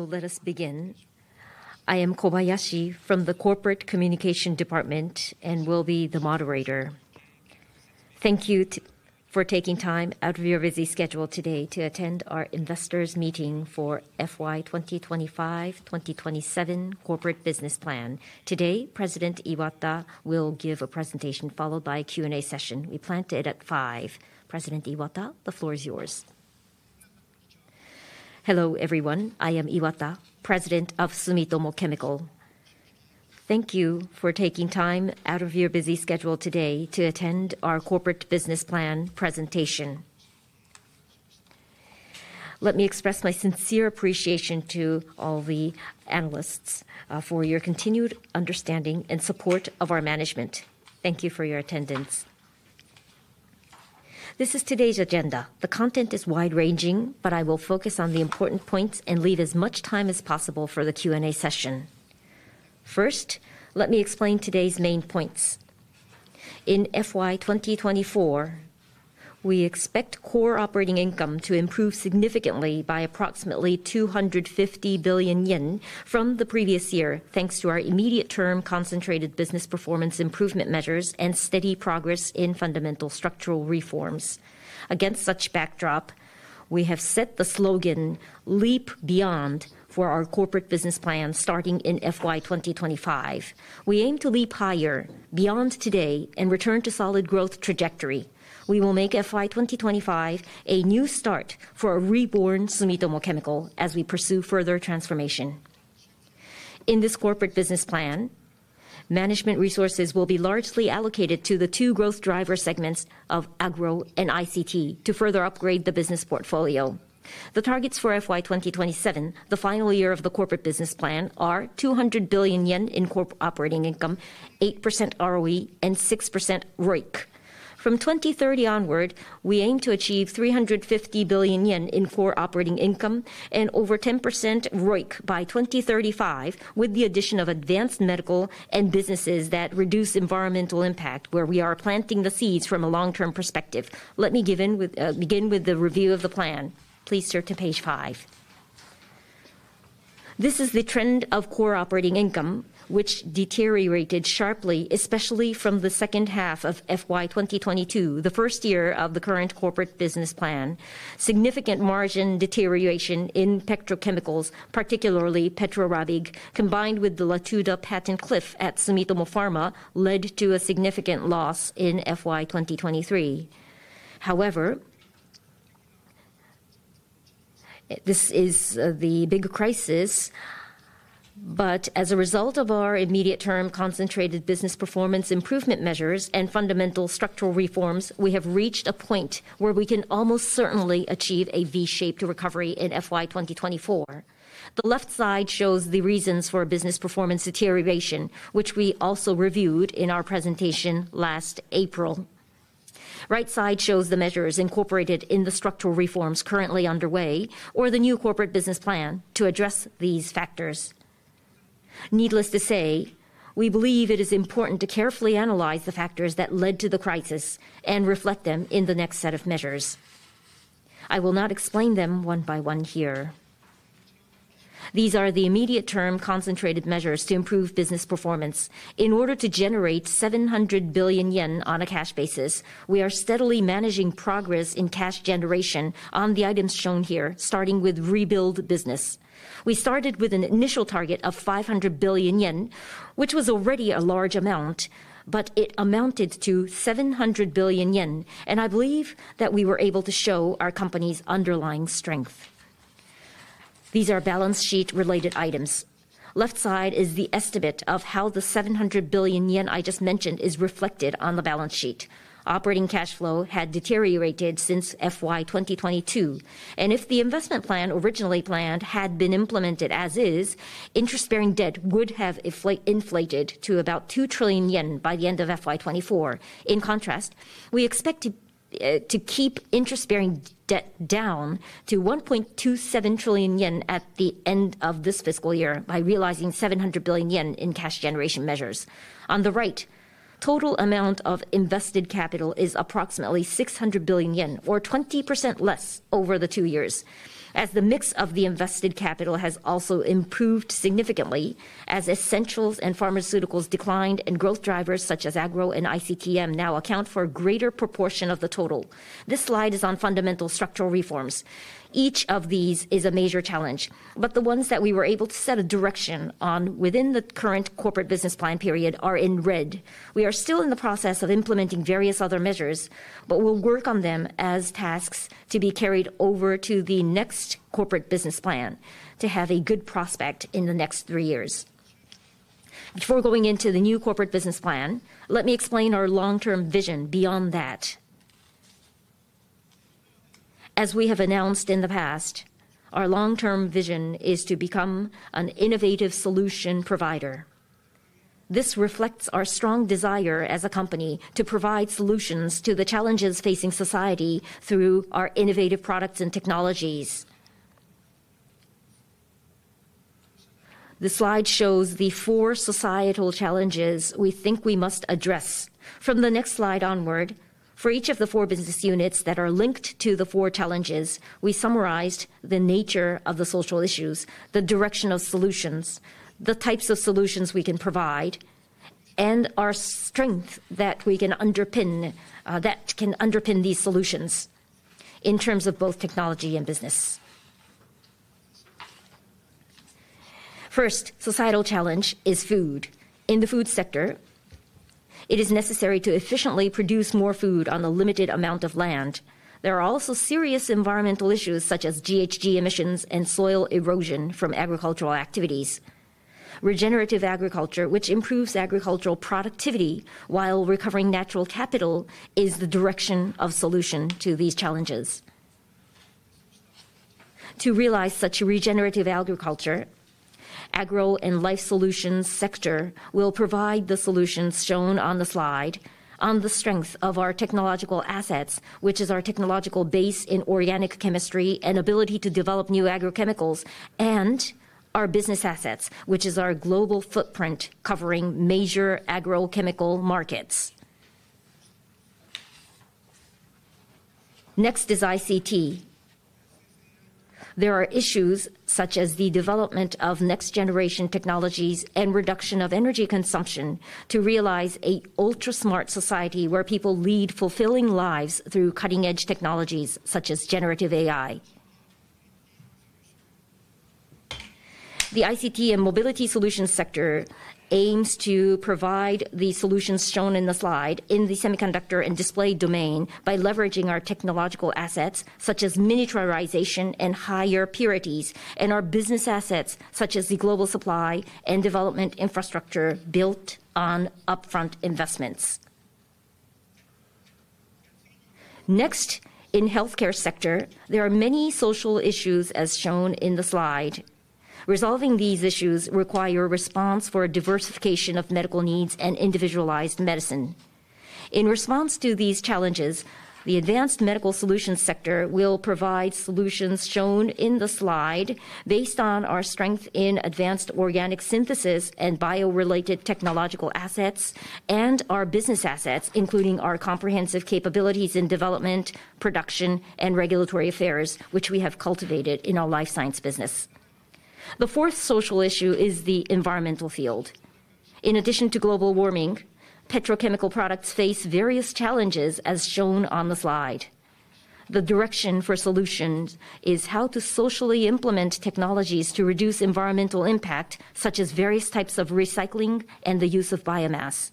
Let us begin. I am Kobayashi from the Corporate Communication Department and will be the moderator. Thank you for taking time out of your busy schedule today to attend our Investor's Meeting for FY 2025-2027 Corporate Business Plan. Today, President Iwata will give a presentation followed by a Q&A session. We planned it at 5:00 P.M. President Iwata, the floor is yours. Hello, everyone. I am Iwata, President of Sumitomo Chemical. Thank you for taking time out of your busy schedule today to attend our Corporate Business Plan Presentation. Let me express my sincere appreciation to all the analysts for your continued understanding and support of our management. Thank you for your attendance. This is today's agenda. The content is wide-ranging, but I will focus on the important points and leave as much time as possible for the Q&A session. First, let me explain today's main points. In FY 2024, we expect core operating income to improve significantly by approximately 250 billion yen from the previous year, thanks to our immediate-term concentrated business performance improvement measures and steady progress in fundamental structural reforms. Against such backdrop, we have set the slogan "Leap Beyond" for our Corporate Business Plan starting in FY 2025. We aim to leap higher, beyond today, and return to a solid growth trajectory. We will make FY 2025 a new start for a reborn Sumitomo Chemical as we pursue further transformation. In this Corporate Business Plan, management resources will be largely allocated to the two growth driver segments of Agro and ICT to further upgrade the business portfolio. The targets for FY 2027, the final year of the Corporate Business Plan, are 200 billion yen in core operating income, 8% ROE, and 6% ROIC. From 2030 onward, we aim to achieve 350 billion yen in core operating income and over 10% ROIC by 2035, with the addition of Advanced Medical and businesses that reduce environmental impact, where we are planting the seeds from a long-term perspective. Let me begin with the review of the plan. Please turn to page 5. This is the trend of core operating income, which deteriorated sharply, especially from the second half of FY 2022, the first year of the current Corporate Business Plan. Significant margin deterioration in petrochemicals, particularly Petro Rabigh, combined with the Latuda patent cliff at Sumitomo Pharma, led to a significant loss in FY 2023. However, this is the big crisis, but as a result of our immediate-term concentrated business performance improvement measures and fundamental structural reforms, we have reached a point where we can almost certainly achieve a V-shaped recovery in FY 2024. The left side shows the reasons for business performance deterioration, which we also reviewed in our presentation last April. The right side shows the measures incorporated in the structural reforms currently underway or the new Corporate Business Plan to address these factors. Needless to say, we believe it is important to carefully analyze the factors that led to the crisis and reflect them in the next set of measures. I will not explain them one by one here. These are the immediate-term concentrated measures to improve business performance. In order to generate 700 billion yen on a cash basis, we are steadily managing progress in cash generation on the items shown here, starting with rebuild business. We started with an initial target of 500 billion yen, which was already a large amount, but it amounted to 700 billion yen, and I believe that we were able to show our company's underlying strength. These are balance sheet-related items. The left side is the estimate of how the 700 billion yen I just mentioned is reflected on the balance sheet. Operating cash flow had deteriorated since FY 2022, and if the investment plan originally planned had been implemented as is, interest-bearing debt would have inflated to about 2 trillion yen by the end of FY 2024. In contrast, we expect to keep interest-bearing debt down to 1.27 trillion yen at the end of this fiscal year by realizing 700 billion yen in cash generation measures. On the right, the total amount of invested capital is approximately 600 billion yen, or 20% less over the two years, as the mix of the invested capital has also improved significantly, as Essentials and Pharmaceuticals declined, and growth drivers such as Agro and ICTM now account for a greater proportion of the total. This slide is on fundamental structural reforms. Each of these is a major challenge, but the ones that we were able to set a direction on within the current Corporate Business Plan period are in red. We are still in the process of implementing various other measures, but we'll work on them as tasks to be carried over to the next Corporate Business Plan to have a good prospect in the next three years. Before going into the new Corporate Business Plan, let me explain our long-term vision beyond that. As we have announced in the past, our long-term vision is to become an innovative solution provider. This reflects our strong desire as a company to provide solutions to the challenges facing society through our innovative products and technologies. The slide shows the four societal challenges we think we must address. From the next slide onward, for each of the four business units that are linked to the four challenges, we summarized the nature of the social issues, the direction of solutions, the types of solutions we can provide, and our strength that we can underpin these solutions in terms of both technology and business. First, the societal challenge is food. In the food sector, it is necessary to efficiently produce more food on a limited amount of land. There are also serious environmental issues such as GHG emissions and soil erosion from agricultural activities. Regenerative agriculture, which improves agricultural productivity while recovering natural capital, is the direction of solution to these challenges. To realize such regenerative agriculture, the Agro and Life Solutions sector will provide the solutions shown on the slide on the strength of our technological assets, which is our technological base in organic chemistry and ability to develop new agrochemicals, and our business assets, which is our global footprint covering major Agrochemical markets. Next is ICT. There are issues such as the development of next-generation technologies and reduction of energy consumption to realize an ultra-smart society where people lead fulfilling lives through cutting-edge technologies such as generative AI. The ICT and Mobility Solutions sector aims to provide the solutions shown in the slide in the semiconductor and display domain by leveraging our technological assets such as miniaturization and higher purities, and our business assets such as the global supply and development infrastructure built on upfront investments. Next, in the healthcare sector, there are many social issues as shown in the slide. Resolving these issues requires a response for diversification of medical needs and individualized medicine. In response to these challenges, the Advanced Medical Solutions sector will provide solutions shown in the slide based on our strength in advanced organic synthesis and bio-related technological assets and our business assets, including our comprehensive capabilities in development, production, and regulatory affairs, which we have cultivated in our Life science business. The fourth social issue is the environmental field. In addition to global warming, petrochemical products face various challenges as shown on the slide. The direction for solutions is how to socially implement technologies to reduce environmental impact, such as various types of recycling and the use of biomass.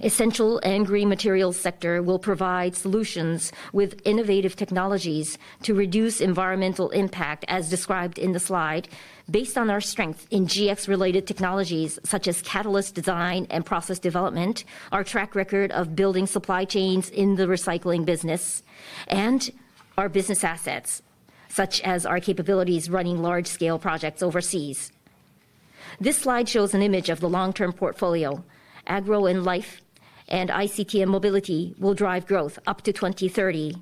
The Essential and Green Materials sector will provide solutions with innovative technologies to reduce environmental impact, as described in the slide, based on our strength in GX-related technologies such as catalyst design and process development, our track record of building supply chains in the recycling business, and our business assets, such as our capabilities running large-scale projects overseas. This slide shows an image of the long-term portfolio. Agro and Life and ICT and Mobility will drive growth up to 2030,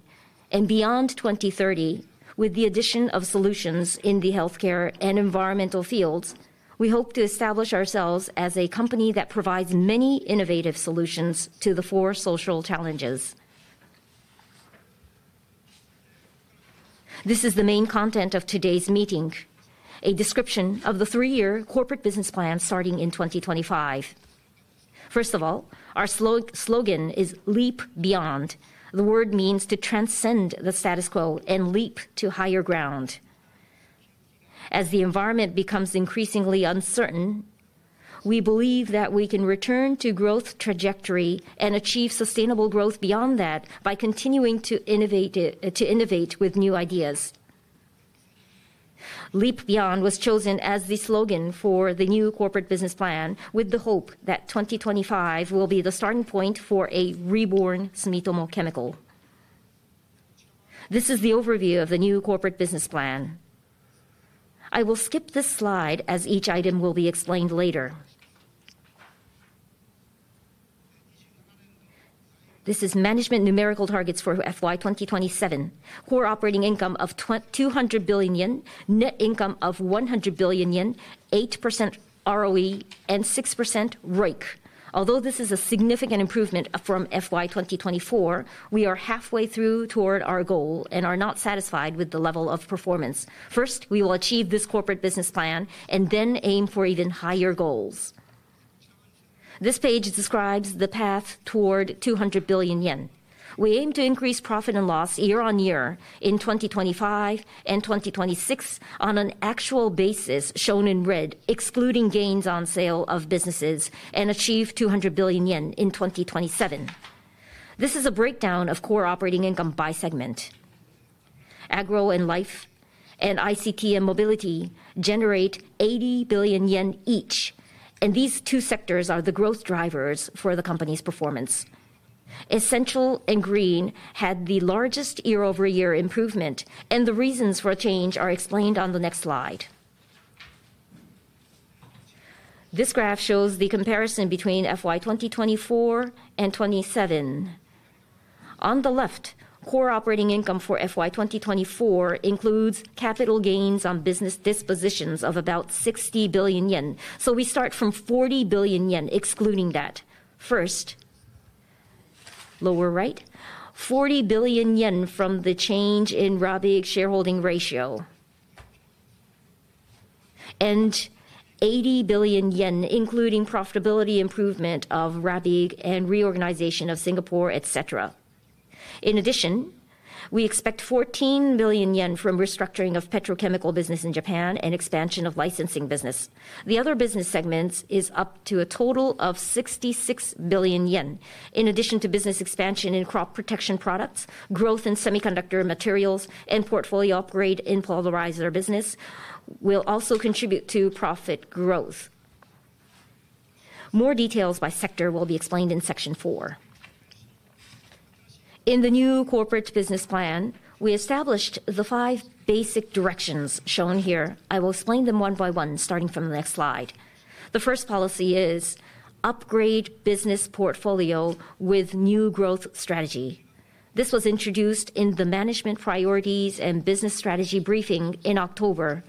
and beyond 2030, with the addition of solutions in the healthcare and environmental fields, we hope to establish ourselves as a company that provides many innovative solutions to the four social challenges. This is the main content of today's meeting: a description of the three-year Corporate Business Plan starting in 2025. First of all, our slogan is "Leap Beyond." The word means to transcend the status quo and leap to higher ground. As the environment becomes increasingly uncertain, we believe that we can return to growth trajectory and achieve sustainable growth beyond that by continuing to innovate with new ideas. "Leap Beyond" was chosen as the slogan for the new Corporate Business Plan with the hope that 2025 will be the starting point for a reborn Sumitomo Chemical. This is the overview of the new Corporate Business Plan. I will skip this slide as each item will be explained later. This is management numerical targets for FY 2027: core operating income of 200 billion yen, net income of 100 billion yen, 8% ROE, and 6% ROIC. Although this is a significant improvement from FY 2024, we are halfway through toward our goal and are not satisfied with the level of performance. First, we will achieve this Corporate Business Plan and then aim for even higher goals. This page describes the path toward 200 billion yen. We aim to increase profit and loss year-on-year in 2025 and 2026 on an actual basis shown in red, excluding gains on sale of businesses, and achieve 200 billion yen in 2027. This is a breakdown of core operating income by segment. Agro and Life and ICT and Mobility generate 80 billion yen each, and these two sectors are the growth drivers for the company's performance. Essential and Green had the largest year-over-year improvement, and the reasons for change are explained on the next slide. This graph shows the comparison between FY 2024 and 2027. On the left, core operating income for FY 2024 includes capital gains on business dispositions of about 60 billion yen, so we start from 40 billion yen, excluding that. First, lower right, 40 billion yen from the change in Roivant shareholding ratio and 80 billion yen, including profitability improvement of Roivant and reorganization of Singapore, etc. In addition, we expect 14 billion yen from restructuring of petrochemical business in Japan and expansion of licensing business. The other business segments is up to a total of 66 billion yen, in addition to business expansion in Crop Protection products, growth in semiconductor materials, and portfolio upgrade in polarizer business will also contribute to profit growth. More details by sector will be explained in Section 4. In the new Corporate Business Plan, we established the five basic directions shown here. I will explain them one by one, starting from the next slide. The first policy is upgrade business portfolio with new growth strategy. This was introduced in the management priorities and business strategy briefing in October,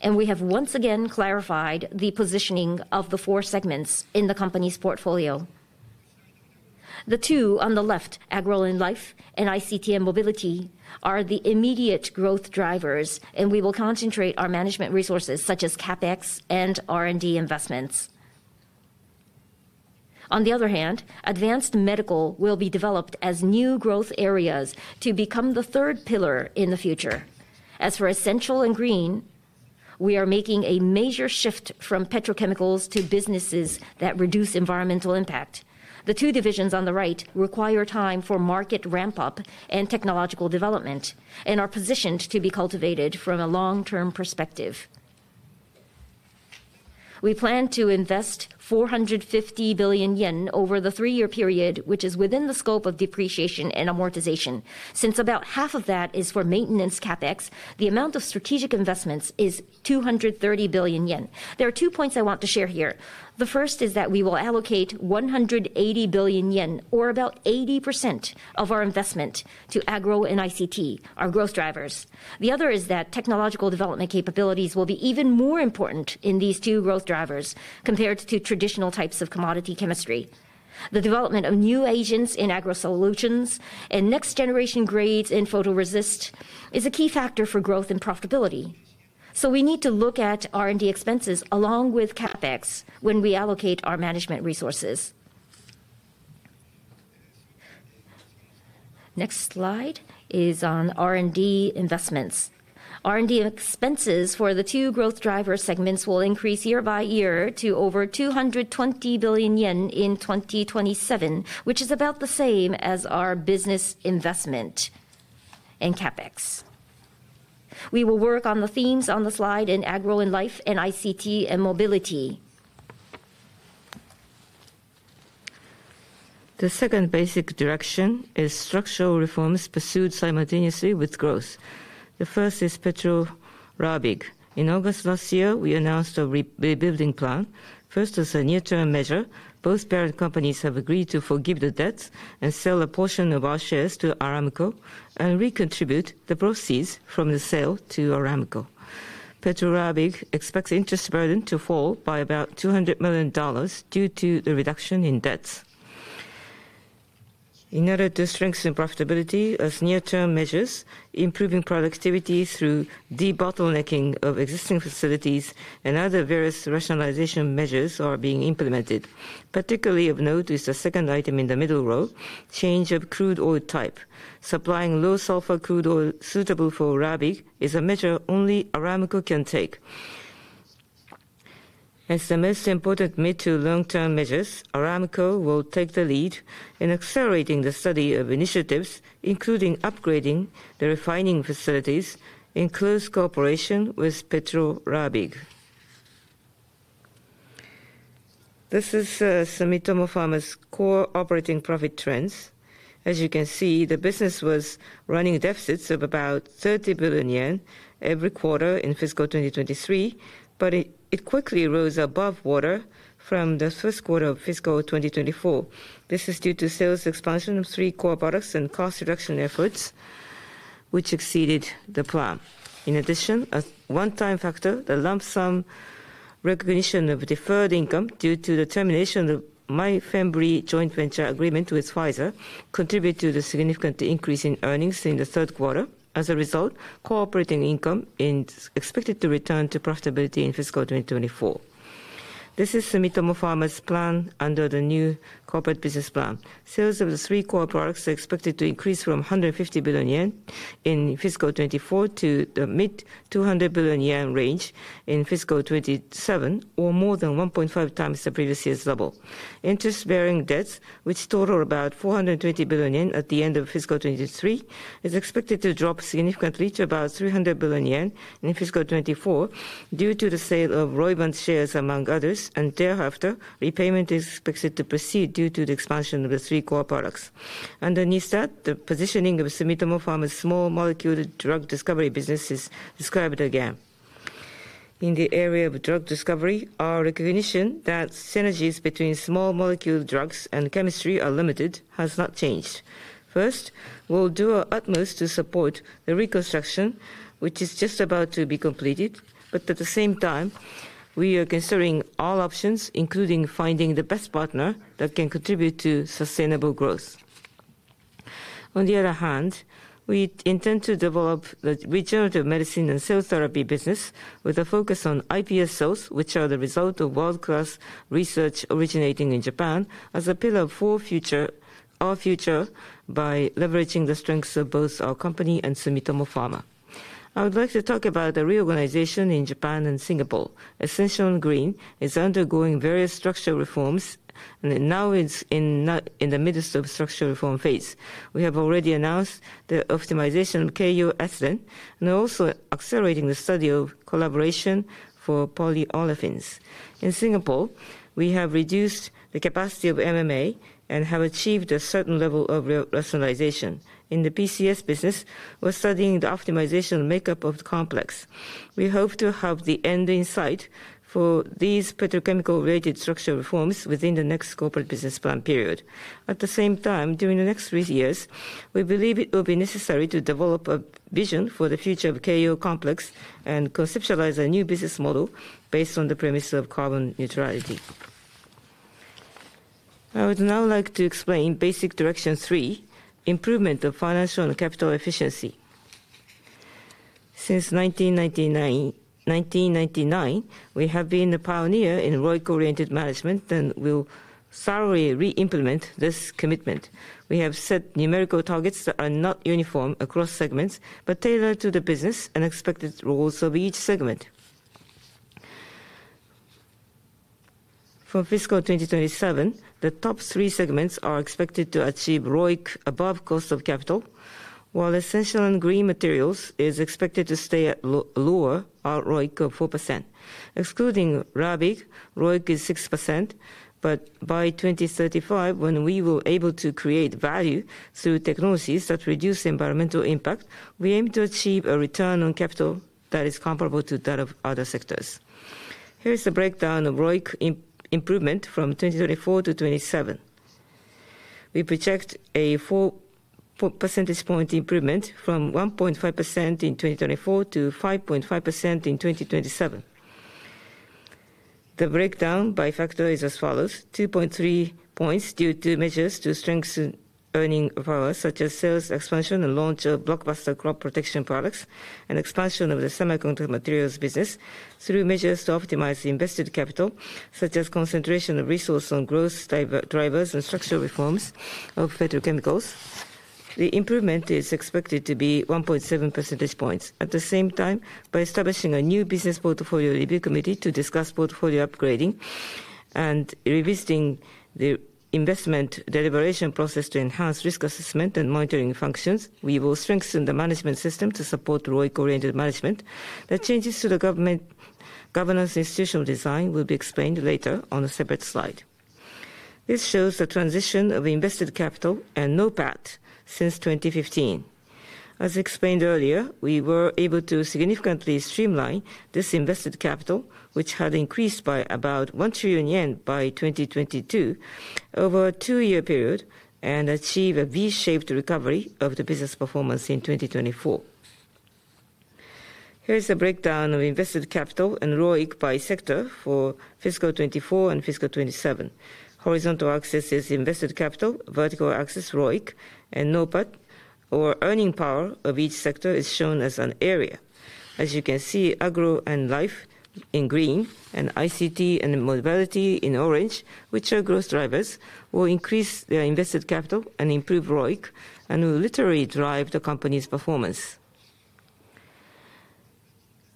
and we have once again clarified the positioning of the four segments in the company's portfolio. The two on the left, Agro and Life and ICT and Mobility, are the immediate growth drivers, and we will concentrate our management resources such as CapEx and R&D investments. On the other hand, Advanced Medical will be developed as new growth areas to become the third pillar in the future. As for Essential and Green, we are making a major shift from petrochemicals to businesses that reduce environmental impact. The two divisions on the right require time for market ramp-up and technological development and are positioned to be cultivated from a long-term perspective. We plan to invest 450 billion yen over the three-year period, which is within the scope of depreciation and amortization. Since about half of that is for maintenance CapEx, the amount of strategic investments is 230 billion yen. There are two points I want to share here. The first is that we will allocate 180 billion yen, or about 80% of our investment, to Agro and ICT, our growth drivers. The other is that technological development capabilities will be even more important in these two growth drivers compared to traditional types of commodity chemistry. The development of new agents in Agro solutions and next-generation grades in photoresist is a key factor for growth and profitability, so we need to look at R&D expenses along with CapEx when we allocate our management resources. Next slide is on R&D investments. R&D expenses for the two growth driver segments will increase year by year to over 220 billion yen in 2027, which is about the same as our business investment in CapEx. We will work on the themes on the slide in Agro and Life and ICT and Mobility. The second basic direction is structural reforms pursued simultaneously with growth. The first is Petro Rabigh. In August last year, we announced a rebuilding plan. First, as a near-term measure, both parent companies have agreed to forgive the debts and sell a portion of our shares to Aramco and recontribute the proceeds from the sale to Aramco. Petro Rabigh expects interest burden to fall by about $200 million due to the reduction in debts. In order to strengthen profitability as near-term measures, improving productivity through debottlenecking of existing facilities and other various rationalization measures are being implemented. Particularly of note is the second item in the middle row, change of crude oil type. Supplying low-sulfur crude oil suitable for Rabigh is a measure only Aramco can take. As the most important mid- to long-term measures, Aramco will take the lead in accelerating the study of initiatives, including upgrading the refining facilities in close cooperation with Petro Rabigh. This is Sumitomo Pharma's core operating profit trends. As you can see, the business was running deficits of about 30 billion yen every quarter in fiscal 2023, but it quickly rose above water from the first quarter of fiscal 2024. This is due to sales expansion of three core products and cost reduction efforts, which exceeded the plan. In addition, as a one-time factor, the lump sum recognition of deferred income due to the termination of the Myfembree joint venture agreement with Pfizer contributed to the significant increase in earnings in the third quarter. As a result, core operating income is expected to return to profitability in fiscal 2024. This is Sumitomo Pharma's plan under the new Corporate Business Plan. Sales of the three core products are expected to increase from 150 billion yen in fiscal 2024 to the mid-JPY 200 billion range in fiscal 2027, or more than 1.5 times the previous year's level. Interest-bearing debts, which total about 420 billion yen at the end of fiscal 2023, are expected to drop significantly to about 300 billion yen in fiscal 2024 due to the sale of Roivant shares, among others, and thereafter, repayment is expected to proceed due to the expansion of the three core products. Underneath that, the positioning of Sumitomo Pharma's small molecule drug discovery business is described again. In the area of drug discovery, our recognition that synergies between small molecule drugs and chemistry are limited has not changed. First, we'll do our utmost to support the reconstruction, which is just about to be completed, but at the same time, we are considering all options, including finding the best partner that can contribute to sustainable growth. On the other hand, we intend to develop the regenerative medicine and cell therapy business with a focus on iPS cells, which are the result of world-class research originating in Japan, as a pillar for our future by leveraging the strengths of both our company and Sumitomo Pharma. I would like to talk about the reorganization in Japan and Singapore. Essential and Green is undergoing various structural reforms, and now it's in the midst of a structural reform phase. We have already announced the optimization of Keiyo Ethylene, and we're also accelerating the study of collaboration for polyolefins. In Singapore, we have reduced the capacity of MMA and have achieved a certain level of rationalization. In the PCS business, we're studying the optimization makeup of the complex. We hope to have the end in sight for these petrochemical-related structural reforms within the next Corporate Business Plan period. At the same time, during the next three years, we believe it will be necessary to develop a vision for the future of Keiyo Complex and conceptualize a new business model based on the premise of carbon neutrality. I would now like to explain basic direction three, improvement of financial and capital efficiency. Since 1999, we have been a pioneer in ROIC-oriented management and will thoroughly re-implement this commitment. We have set numerical targets that are not uniform across segments but tailored to the business and expected roles of each segment. For fiscal 2027, the top three segments are expected to achieve ROIC above cost of capital, while Essential and Green Materials are expected to stay at lower ROIC of 4%. Excluding Rabigh, ROIC is 6%, but by 2035, when we will be able to create value through technologies that reduce environmental impact, we aim to achieve a return on capital that is comparable to that of other sectors. Here's the breakdown of ROIC improvement from 2024 to 2027. We project a 4 percentage point improvement from 1.5% in 2024 to 5.5% in 2027. The breakdown by factor is as follows: 2.3 points due to measures to strengthen earning power, such as sales expansion and launch of blockbuster Crop Protection products and expansion of the semiconductor materials business through measures to optimize invested capital, such as concentration of resources on growth drivers and structural reforms of petrochemicals. The improvement is expected to be 1.7 percentage points. At the same time, by establishing a new business portfolio review committee to discuss portfolio upgrading and revisiting the investment deliberation process to enhance risk assessment and monitoring functions, we will strengthen the management system to support ROIC-oriented management. The changes to the corporate governance institutional design will be explained later on a separate slide. This shows the transition of invested capital and NOPAT since 2015. As explained earlier, we were able to significantly streamline this invested capital, which had increased by about 1 trillion yen by 2022 over a two-year period and achieve a V-shaped recovery of the business performance in 2024. Here's the breakdown of invested capital and ROIC by sector for fiscal 2024 and fiscal 2027. Horizontal axis is invested capital, vertical axis ROIC, and NOPAT, or earning power of each sector is shown as an area. As you can see, Agro and Life in green and ICT and Mobility in orange, which are growth drivers, will increase their invested capital and improve ROIC and will literally drive the company's performance.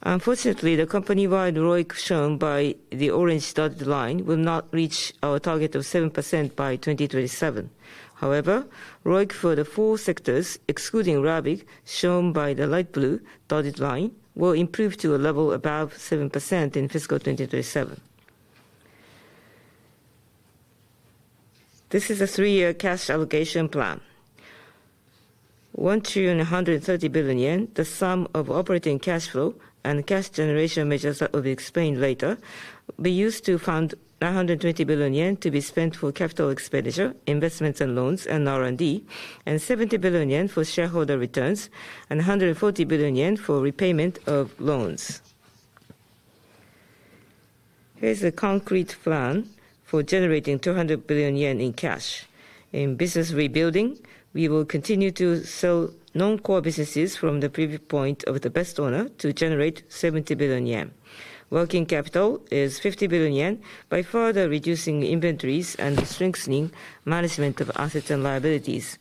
Unfortunately, the company-wide ROIC shown by the orange dotted line will not reach our target of 7% by 2027. However, ROIC for the four sectors, excluding Rabigh, shown by the light blue dotted line, will improve to a level above 7% in fiscal 2027. This is a three-year cash allocation plan. 1,130 billion yen, the sum of operating cash flow and cash generation measures that will be explained later, will be used to fund 920 billion yen to be spent for capital expenditure, investments and loans and R&D, and 70 billion yen for shareholder returns and 140 billion yen for repayment of loans. Here's the concrete plan for generating 200 billion yen in cash. In business rebuilding, we will continue to sell non-core businesses from the previous point of the best owner to generate 70 billion yen. Working capital is 50 billion yen by further reducing inventories and strengthening management of assets and liabilities.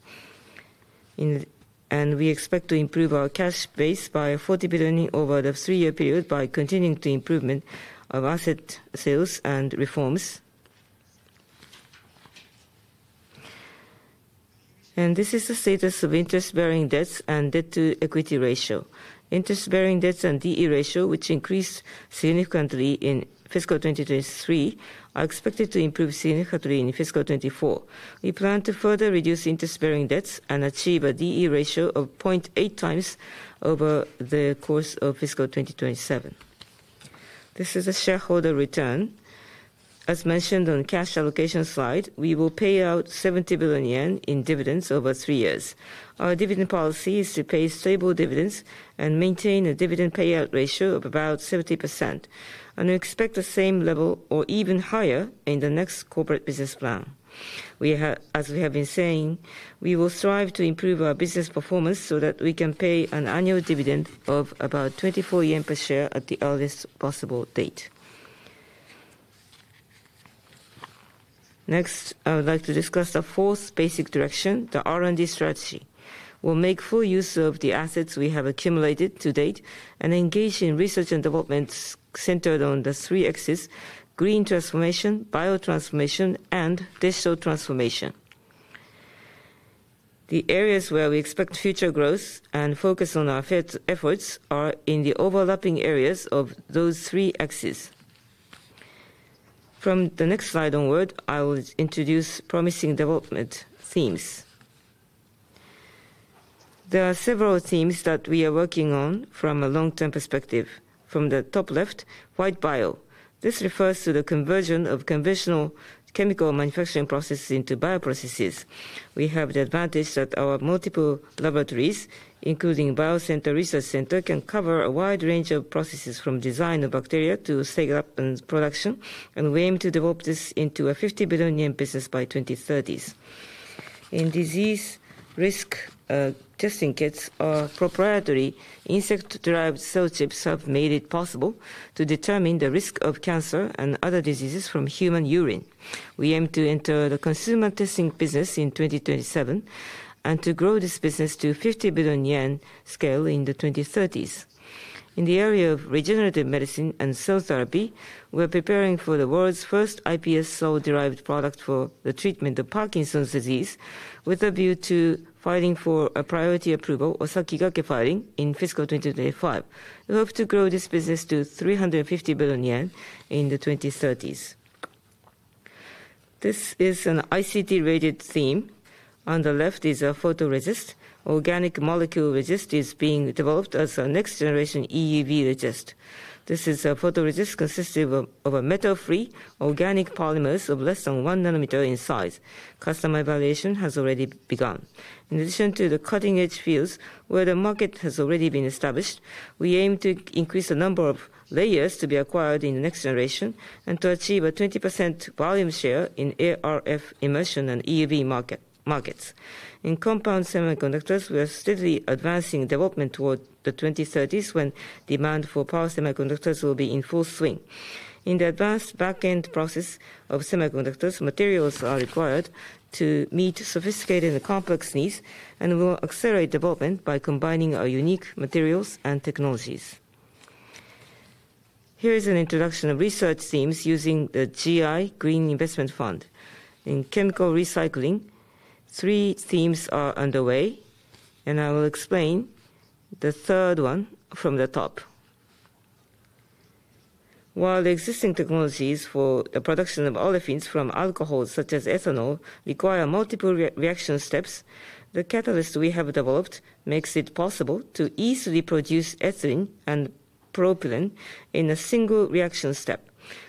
We expect to improve our cash base by 40 billion over the three-year period by continuing the improvement of asset sales and reforms. This is the status of interest-bearing debts and debt-to-equity ratio. Interest-bearing debts and DE ratio, which increased significantly in fiscal 2023, are expected to improve significantly in fiscal 2024. We plan to further reduce interest-bearing debts and achieve a DE ratio of 0.8 times over the course of fiscal 2027. This is a shareholder return. As mentioned on the cash allocation slide, we will pay out 70 billion yen in dividends over three years. Our dividend policy is to pay stable dividends and maintain a dividend payout ratio of about 70%. And we expect the same level or even higher in the next Corporate Business Plan. As we have been saying, we will strive to improve our business performance so that we can pay an annual dividend of about 24 yen per share at the earliest possible date. Next, I would like to discuss the fourth basic direction, the R&D strategy. We'll make full use of the assets we have accumulated to date and engage in research and development centered on the three axes: Green Transformation, Bio-Transformation, and Digital Transformation. The areas where we expect future growth and focus on our efforts are in the overlapping areas of those three axes. From the next slide onward, I will introduce promising development themes. There are several themes that we are working on from a long-term perspective. From the top left, White Bio. This refers to the conversion of conventional chemical manufacturing processes into bioprocesses. We have the advantage that our multiple laboratories, including BioCenter Research Center, can cover a wide range of processes from design of bacteria to stage-up and production, and we aim to develop this into a 50 billion yen business by 2030. In disease risk testing kits, proprietary insect-derived cell chips have made it possible to determine the risk of cancer and other diseases from human urine. We aim to enter the consumer testing business in 2027 and to grow this business to 50 billion yen scale in the 2030s. In the area of regenerative medicine and cell therapy, we're preparing for the world's first iPS cell-derived product for the treatment of Parkinson's disease, with a view to filing for a priority approval, Sakigake filing, in fiscal 2025. We hope to grow this business to 350 billion yen in the 2030s. This is an ICT-related theme. On the left is a photoresist. Organic molecule resist is being developed as a next-generation EUV resist. This is a photoresist consisting of metal-free organic polymers of less than one nanometer in size. Customer evaluation has already begun. In addition to the cutting-edge fields where the market has already been established, we aim to increase the number of layers to be acquired in the next generation and to achieve a 20% volume share in ArF immersion and EUV markets. In compound semiconductors, we are steadily advancing development toward the 2030s when demand for power semiconductors will be in full swing. In the advanced back-end process of semiconductors, materials are required to meet sophisticated and complex needs, and we'll accelerate development by combining our unique materials and technologies. Here is an introduction of research themes using the Green Innovation Fund. In chemical recycling, three themes are underway, and I will explain the third one from the top. While the existing technologies for the production of olefins from alcohols such as ethanol require multiple reaction steps, the catalyst we have developed makes it possible to easily produce ethylene and propylene in a single reaction step.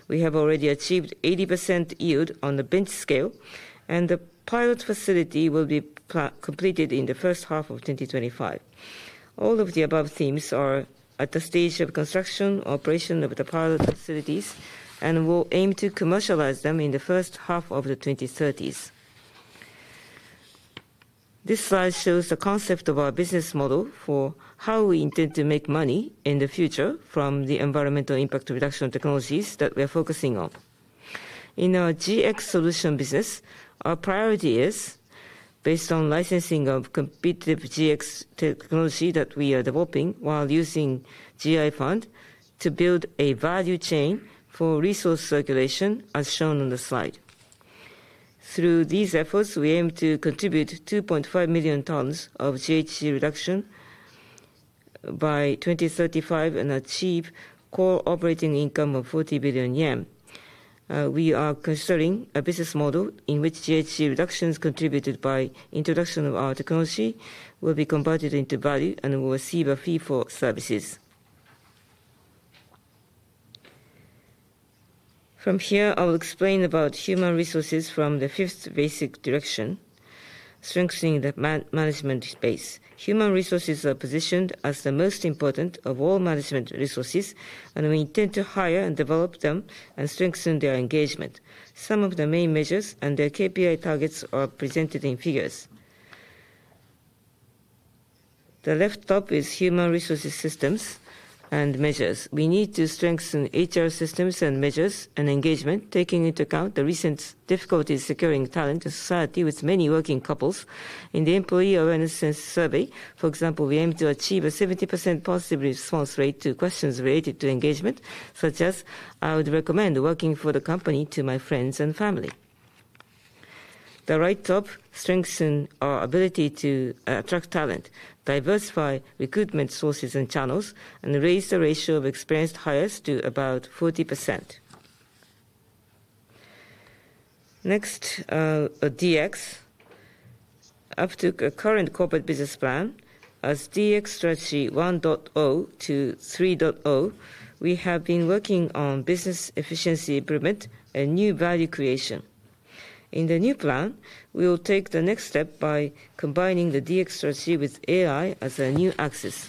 We have already achieved 80% yield on the bench scale, and the pilot facility will be completed in the first half of 2025. All of the above themes are at the stage of construction, operation of the pilot facilities, and we'll aim to commercialize them in the first half of the 2030s. This slide shows the concept of our business model for how we intend to make money in the future from the environmental impact reduction technologies that we are focusing on. In our GX solution business, our priority is, based on licensing of competitive GX technology that we are developing while using GI Fund, to build a value chain for resource circulation, as shown on the slide. Through these efforts, we aim to contribute 2.5 million tons of GHG reduction by 2035 and achieve Core Operating Income of 40 billion yen. We are considering a business model in which GHG reductions contributed by introduction of our technology will be converted into value and will receive a fee for services. From here, I will explain about human resources from the fifth basic direction, strengthening the management space. Human resources are positioned as the most important of all management resources, and we intend to hire and develop them and strengthen their engagement. Some of the main measures and their KPI targets are presented in figures. The left top is human resources systems and measures. We need to strengthen HR systems and measures and engagement, taking into account the recent difficulties securing talent in society with many working couples. In the employee awareness survey, for example, we aim to achieve a 70% positive response rate to questions related to engagement, such as, "I would recommend working for the company to my friends and family." The right top strengthens our ability to attract talent, diversify recruitment sources and channels, and raise the ratio of experienced hires to about 40%. Next, DX. Up to the current Corporate Business Plan, as DX strategy 1.0 to 3.0, we have been working on business efficiency improvement and new value creation. In the new plan, we will take the next step by combining the DX strategy with AI as a new axis.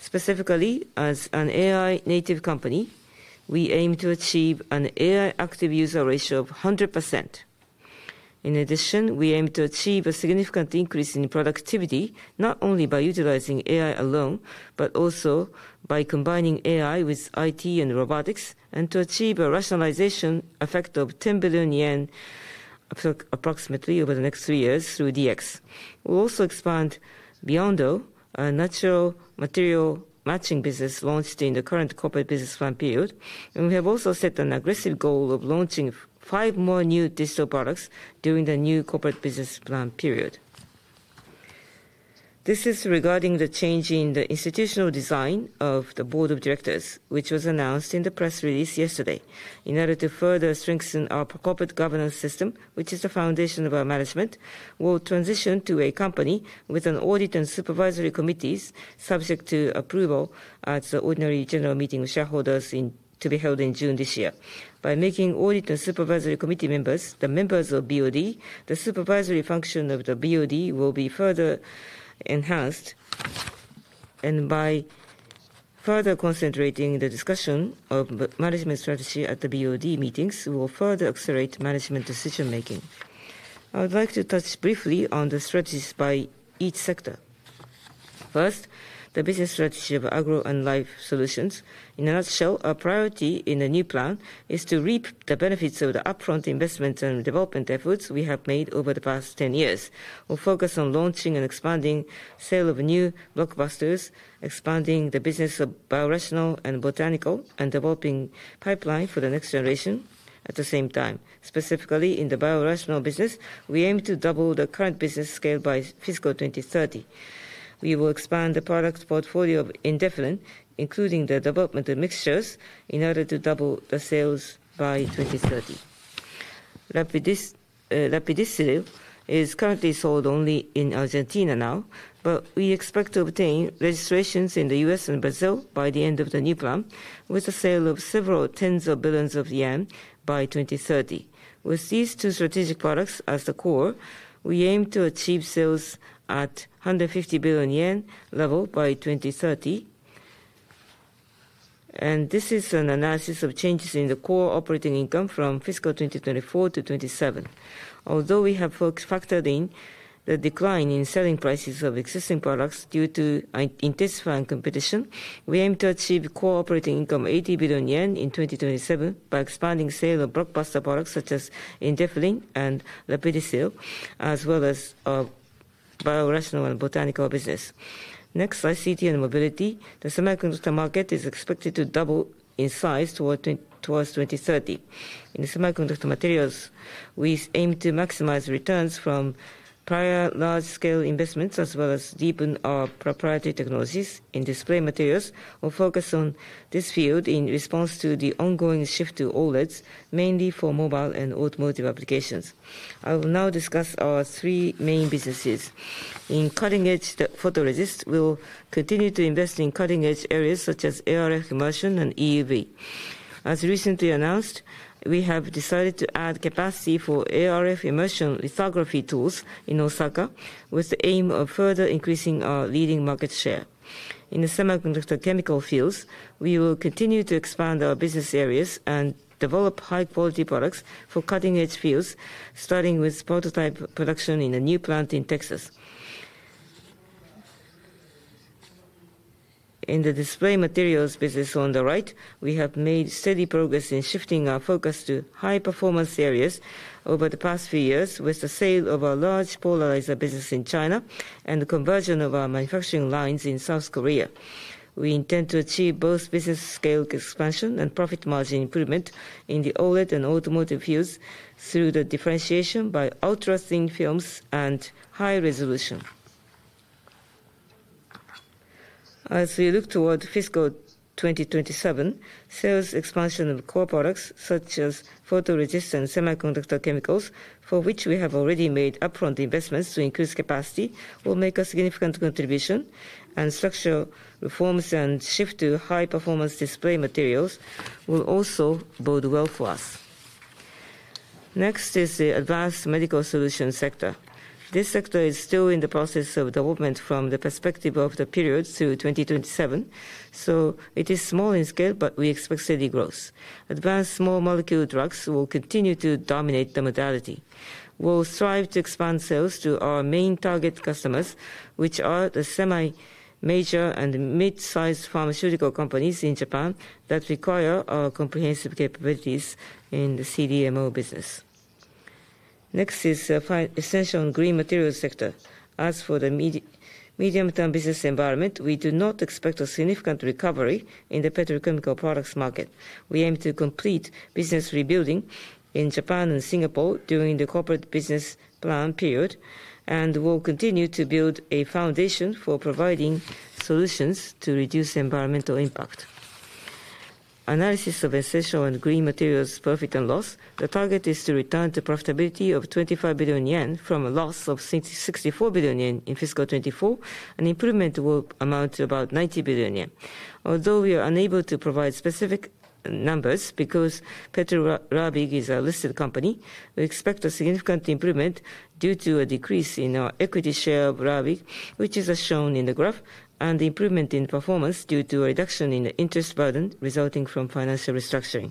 Specifically, as an AI-native company, we aim to achieve an AI active user ratio of 100%. In addition, we aim to achieve a significant increase in productivity, not only by utilizing AI alone, but also by combining AI with IT and robotics, and to achieve a rationalization effect of 10 billion yen approximately over the next three years through DX. We'll also expand beyond our natural material matching business launched in the current Corporate Business Plan period. And we have also set an aggressive goal of launching five more new digital products during the new Corporate Business Plan period. This is regarding the change in the institutional design of the board of directors, which was announced in the press release yesterday. In order to further strengthen our corporate governance system, which is the foundation of our management, we'll transition to a company with an Audit and Supervisory Committees subject to approval at the ordinary general meeting of shareholders to be held in June this year. By making audit and supervisory committee members the members of BOD, the supervisory function of the BOD will be further enhanced, and by further concentrating the discussion of management strategy at the BOD meetings, we will further accelerate management decision-making. I would like to touch briefly on the strategies by each sector. First, the business strategy of Agro and Life Solutions. In a nutshell, our priority in the new plan is to reap the benefits of the upfront investment and development efforts we have made over the past 10 years. We'll focus on launching and expanding sale of new blockbusters, expanding the business of Biorational and Botanical, and developing pipeline for the next generation at the same time. Specifically, in the Biorational business, we aim to double the current business scale by fiscal 2030. We will expand the product portfolio of INDIFLIN, including the development of mixtures, in order to double the sales by 2030. Rapidicil is currently sold only in Argentina now, but we expect to obtain registrations in the U.S. and Brazil by the end of the new plan, with a sale of several tens of billions of yen by 2030. With these two strategic products as the core, we aim to achieve sales at 150 billion yen level by 2030. And this is an analysis of changes in the Core Operating Income from fiscal 2024 to 2027. Although we have factored in the decline in selling prices of existing products due to intensifying competition, we aim to achieve Core Operating Income 80 billion yen in 2027 by expanding sale of blockbuster products such as INDIFLIN and Rapidicil, as well as our Biorational and Botanical business. Next, ICT and Mobility. The semiconductor market is expected to double in size towards 2030. In the semiconductor materials, we aim to maximize returns from prior large-scale investments as well as deepen our proprietary technologies in display materials. We'll focus on this field in response to the ongoing shift to OLEDs, mainly for mobile and automotive applications. I will now discuss our three main businesses. In cutting-edge photoresist, we'll continue to invest in cutting-edge areas such as ArF immersion and EUV. As recently announced, we have decided to add capacity for ArF immersion lithography tools in Osaka, with the aim of further increasing our leading market share. In the semiconductor chemical fields, we will continue to expand our business areas and develop high-quality products for cutting-edge fields, starting with prototype production in a new plant in Texas. In the display materials business on the right, we have made steady progress in shifting our focus to high-performance areas over the past few years with the sale of our large polarizer business in China and the conversion of our manufacturing lines in South Korea. We intend to achieve both business scale expansion and profit margin improvement in the OLED and automotive fields through the differentiation by ultra-thin films and high resolution. As we look toward fiscal 2027, sales expansion of core products such as photoresist and semiconductor chemicals, for which we have already made upfront investments to increase capacity, will make a significant contribution, and structural reforms and shift to high-performance display materials will also bode well for us. Next is the Advanced Medical solution sector. This sector is still in the process of development from the perspective of the period through 2027, so it is small in scale, but we expect steady growth. Advanced small molecule drugs will continue to dominate the modality. We'll strive to expand sales to our main target customers, which are the semi-major and mid-sized pharmaceutical companies in Japan that require our comprehensive capabilities in the CDMO business. Next is the Essential and Green Materials sector. As for the medium-term business environment, we do not expect a significant recovery in the petrochemical products market. We aim to complete business rebuilding in Japan and Singapore during the Corporate Business Plan period, and we'll continue to build a foundation for providing solutions to reduce environmental impact. Analysis of Essential and Green Materials profit and loss. The target is to return to profitability of 25 billion yen from a loss of 64 billion yen in fiscal 2024, and improvement will amount to about 90 billion yen. Although we are unable to provide specific numbers because Petro Rabigh is a listed company, we expect a significant improvement due to a decrease in our equity share of Rabigh, which is as shown in the graph, and the improvement in performance due to a reduction in the interest burden resulting from financial restructuring.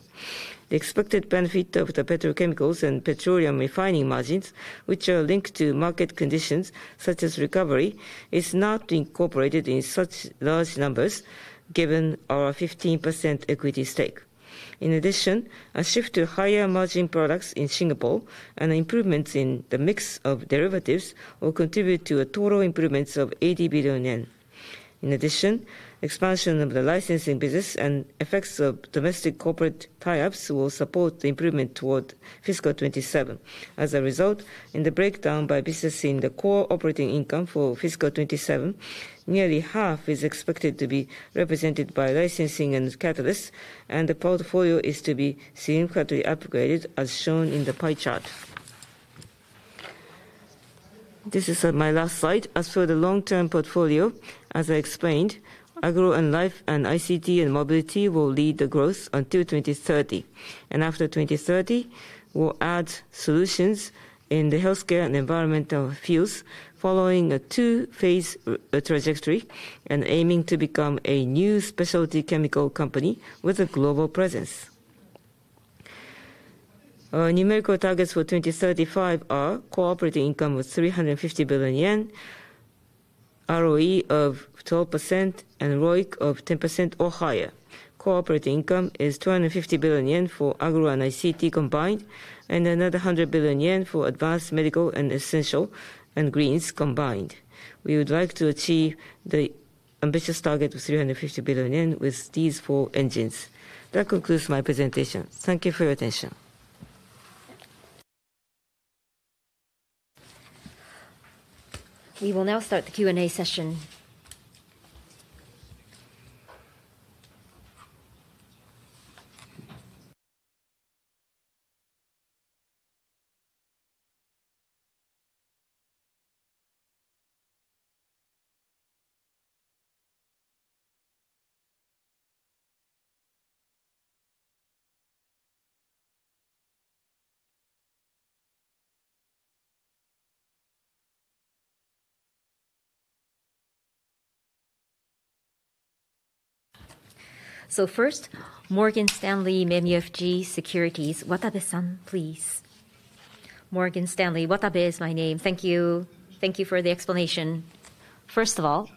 The expected benefit of the petrochemicals and petroleum refining margins, which are linked to market conditions such as recovery, is not incorporated in such large numbers given our 15% equity stake. In addition, a shift to higher margin products in Singapore and improvements in the mix of derivatives will contribute to a total improvement of 80 billion yen. In addition, expansion of the licensing business and effects of domestic corporate tie-ups will support the improvement toward fiscal 2027. As a result, in the breakdown by business in the core operating income for fiscal 2027, nearly half is expected to be represented by licensing and catalysts, and the portfolio is to be significantly upgraded as shown in the pie chart. This is my last slide. As for the long-term portfolio, as I explained, Agro and Life and ICT and Mobility will lead the growth until 2030. And after 2030, we'll add solutions in the healthcare and environmental fields following a two-phase trajectory and aiming to become a new specialty chemical company with a global presence. Our numerical targets for 2035 are core operating income of 350 billion yen, ROE of 12%, and ROIC of 10% or higher operating income is 250 billion yen for Agro and ICT combined, and another 100 billion yen for Advanced Medical and Essentials and Greens combined. We would like to achieve the ambitious target of 350 billion yen with these four engines. That concludes my presentation. Thank you for your attention. We will now start the Q&A session. So first, Morgan Stanley MUFG Securities. Watabe-san, please. Morgan Stanley, Watabe is my name. Thank you. Thank you for the explanation. First of all,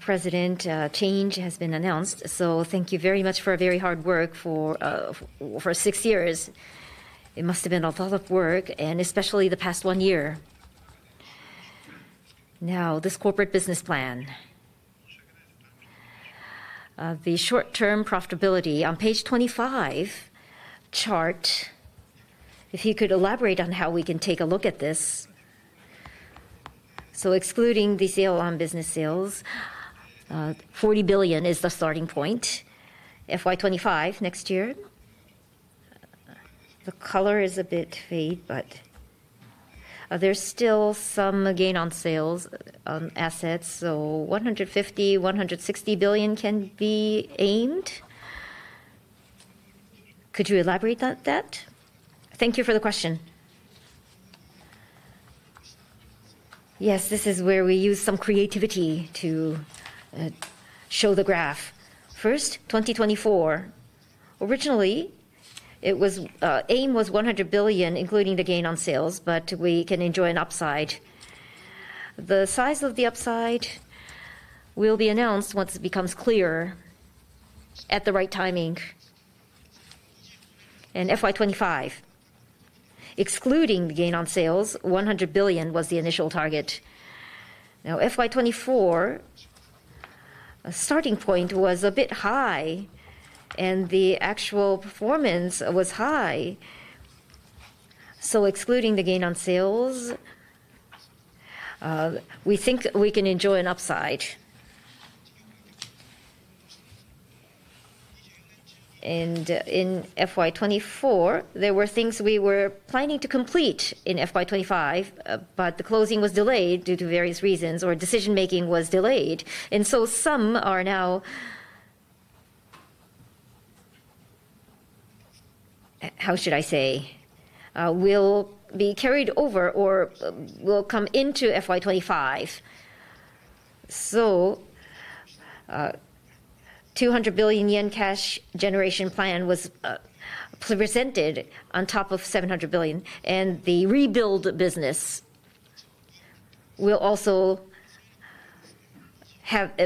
president change has been announced, so thank you very much for very hard work for six years. It must have been a lot of work, and especially the past one year. Now, this Corporate Business Plan. The short-term profitability on page 25 chart. If you could elaborate on how we can take a look at this. So excluding the sale on business sales, 40 billion is the starting point. FY 2025 next year. The color is a bit faded, but there's still some gain on sales, on assets. So 150 billion-160 billion can be aimed. Could you elaborate that? Thank you for the question. Yes, this is where we use some creativity to show the graph. First, 2024. Originally, the aim was 100 billion, including the gain on sales, but we can enjoy an upside. The size of the upside will be announced once it becomes clear at the right timing. FY 2025, excluding the gain on sales, 100 billion was the initial target. Now, FY 2024, the starting point was a bit high, and the actual performance was high. Excluding the gain on sales, we think we can enjoy an upside. In FY 2024, there were things we were planning to complete in FY 2025, but the closing was delayed due to various reasons, or decision-making was delayed. Some are now, how should I say, will be carried over or will come into FY 2025. So 200 billion yen cash generation plan was presented on top of 700 billion, and the rebuild business will also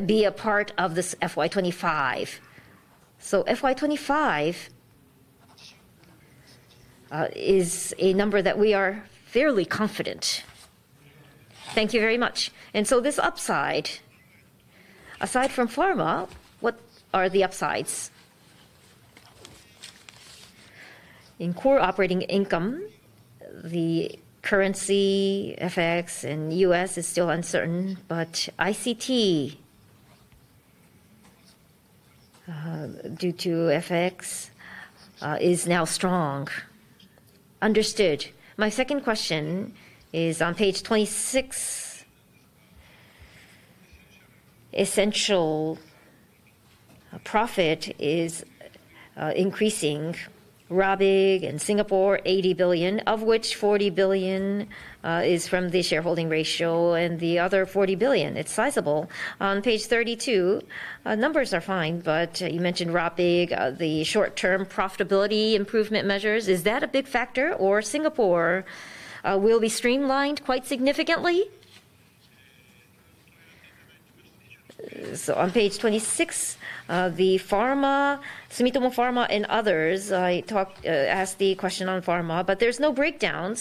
be a part of this FY 2025. FY 2025 is a number that we are fairly confident. Thank you very much. This upside, aside from pharma, what are the upsides? In core operating income, the currency FX and U.S. is still uncertain, but ICT due to FX is now strong. Understood. My second question is on page 26. Essential profit is increasing. Rabigh and Singapore, 80 billion, of which 40 billion is from the shareholding ratio and the other 40 billion. It's sizable. On page 32, numbers are fine, but you mentioned Rabigh, the short-term profitability improvement measures. Is that a big factor? Or Singapore will be streamlined quite significantly? On page 26, the pharma, Sumitomo Pharma and others, I asked the question on pharma, but there's no breakdown.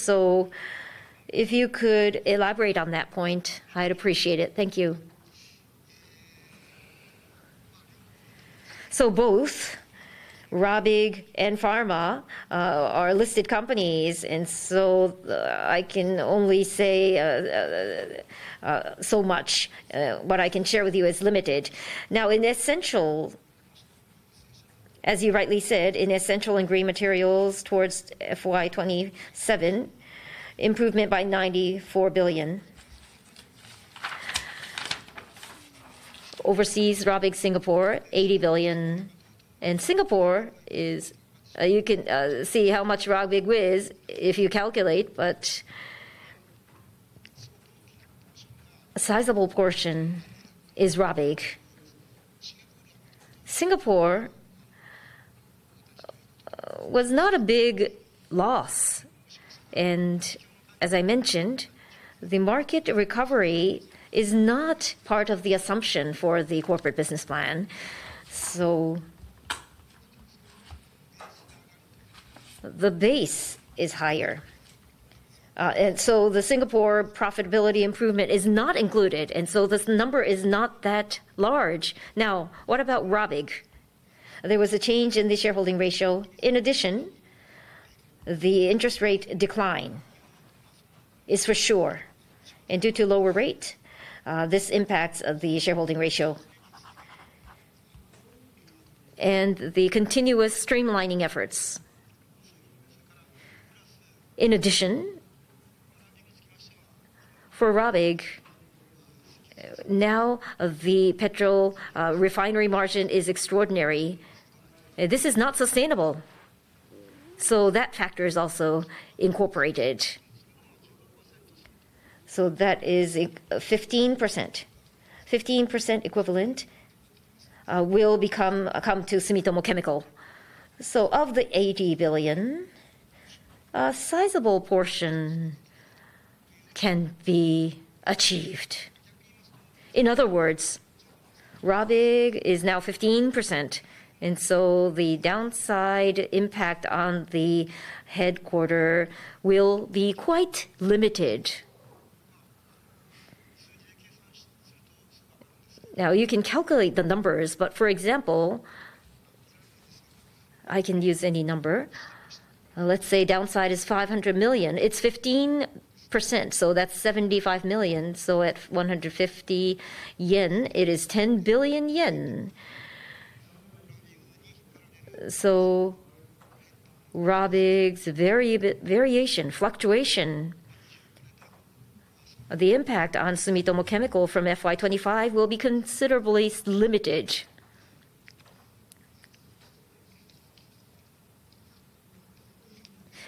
If you could elaborate on that point, I'd appreciate it. Thank you. Both Rabigh and pharma are listed companies, and so I can only say so much. What I can share with you is limited. Now, in essential, as you rightly said, in Essential and Green Materials towards FY 2027, improvement by JPY 94 billion. Overseas, Rabigh, Singapore, 80 billion. And Singapore is, you can see how much Rabigh is if you calculate, but a sizable portion is Rabigh. Singapore was not a big loss. And as I mentioned, the market recovery is not part of the assumption for the Corporate Business Plan. The base is higher. And so the Singapore profitability improvement is not included, and so this number is not that large. Now, what about Rabigh? There was a change in the shareholding ratio. In addition, the interest rate decline is for sure, and due to lower rate, this impacts the shareholding ratio and the continuous streamlining efforts. In addition, for Rabigh, now the petrol refinery margin is extraordinary. This is not sustainable. So that factor is also incorporated, so that is 15%. 15% equivalent will come to Sumitomo Chemical. So of the 80 billion, a sizable portion can be achieved. In other words, Rabigh is now 15%, and so the downside impact on the headquarters will be quite limited. Now, you can calculate the numbers, but for example, I can use any number. Let's say downside is 500 million. It's 15%, so that's 75 million. So at 150 yen, it is 10 billion yen. So Rabigh's variation, fluctuation, the impact on Sumitomo Chemical from FY 2025 will be considerably limited.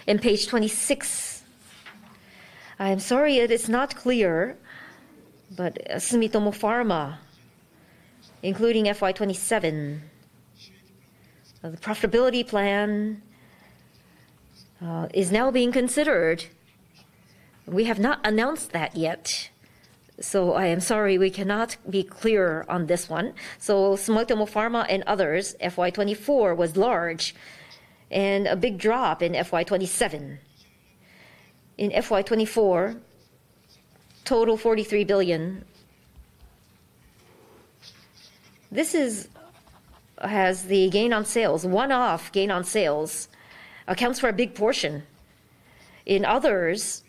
Page 26, I am sorry it is not clear, but Sumitomo Pharma, including FY 2027, the profitability plan is now being considered. We have not announced that yet, so I am sorry we cannot be clear on this one. Sumitomo Pharma and others, FY 2024 was large and a big drop in FY 2027. In FY 2024, total JPY 43 billion. This has the gain on sales, one-off gain on sales, accounts for a big portion. In others,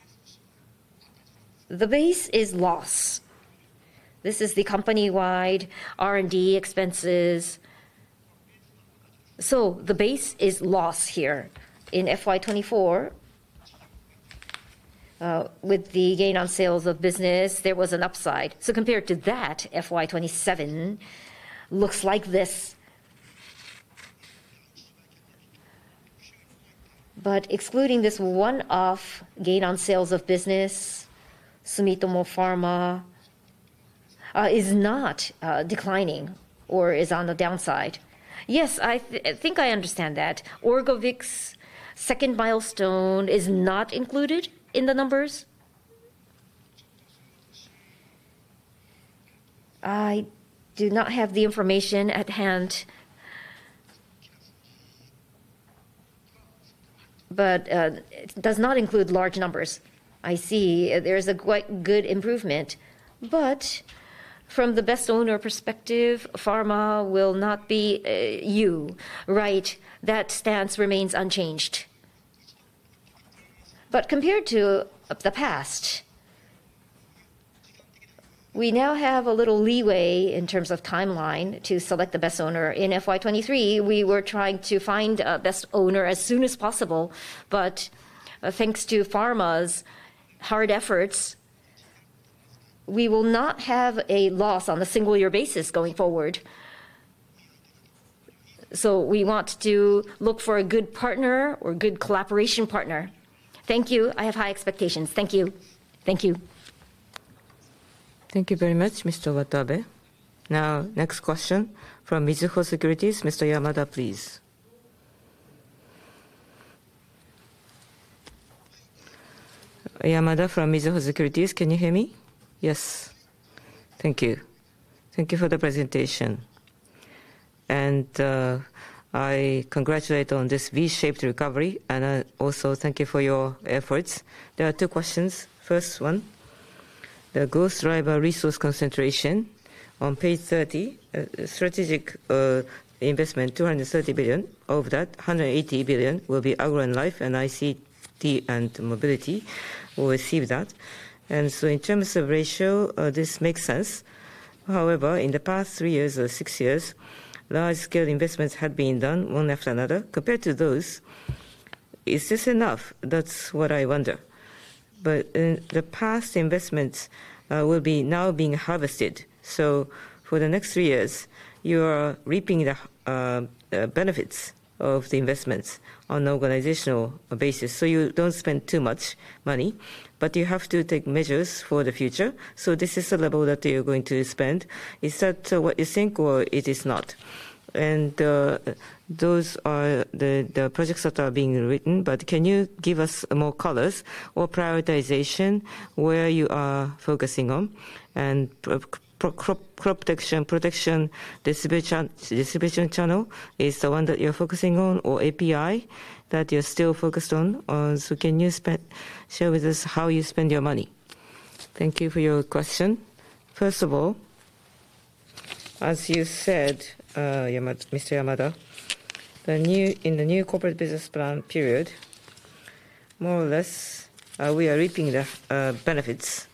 the base is loss. This is the company-wide R&D expenses. The base is loss here. In FY 2024, with the gain on sales of business, there was an upside. Compared to that, FY 2027 looks like this. But excluding this one-off gain on sales of business, Sumitomo Pharma is not declining or is on the downside. Yes, I think I understand that. ORGOVYX's second milestone is not included in the numbers. I do not have the information at hand, but it does not include large numbers. I see there is a quite good improvement, but from the best owner perspective, pharma will not be you. Right. That stance remains unchanged. But compared to the past, we now have a little leeway in terms of timeline to select the best owner. In FY 2023, we were trying to find a best owner as soon as possible, but thanks to pharma's hard efforts, we will not have a loss on a single-year basis going forward. So we want to look for a good partner or good collaboration partner. Thank you. I have high expectations. Thank you. Thank you. Thank you very much, Mr. Watabe. Now, next question from Mizuho Securities. Mr. Yamada, please. Yamada from Mizuho Securities, can you hear me? Yes. Thank you. Thank you for the presentation. I congratulate on this V-shaped recovery, and I also thank you for your efforts. There are two questions. First one, the growth driver resource concentration on page 30, strategic investment 230 billion. Of that, 180 billion will be Agro and Life and ICT and Mobility. We'll receive that. And so in terms of ratio, this makes sense. However, in the past three years or six years, large-scale investments have been done one after another. Compared to those, is this enough? That's what I wonder. But the past investments will be now being harvested. So for the next three years, you are reaping the benefits of the investments on an organizational basis. So you don't spend too much money, but you have to take measures for the future. So this is the level that you're going to spend. Is that what you think, or it is not? And those are the projects that are being written, but can you give us more colors or prioritization where you are focusing on? And Crop Protection, the distribution channel is the one that you're focusing on, or API that you're still focused on? So can you share with us how you spend your money? Thank you for your question. First of all, as you said, Mr. Yamada, in the new Corporate Business Plan period, more or less, we are reaping the benefits.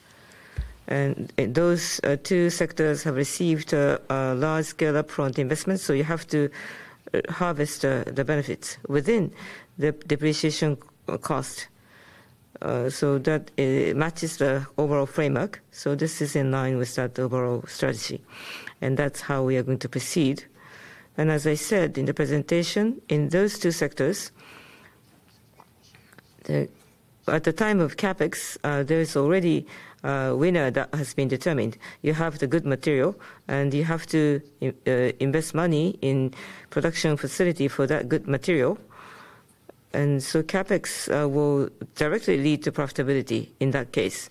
And those two sectors have received large-scale upfront investments, so you have to harvest the benefits within the depreciation cost. So that matches the overall framework. So this is in line with that overall strategy. And that's how we are going to proceed. And as I said in the presentation, in those two sectors, at the time of CapEx, there is already a winner that has been determined. You have the good material, and you have to invest money in production facility for that good material. And so CapEx will directly lead to profitability in that case.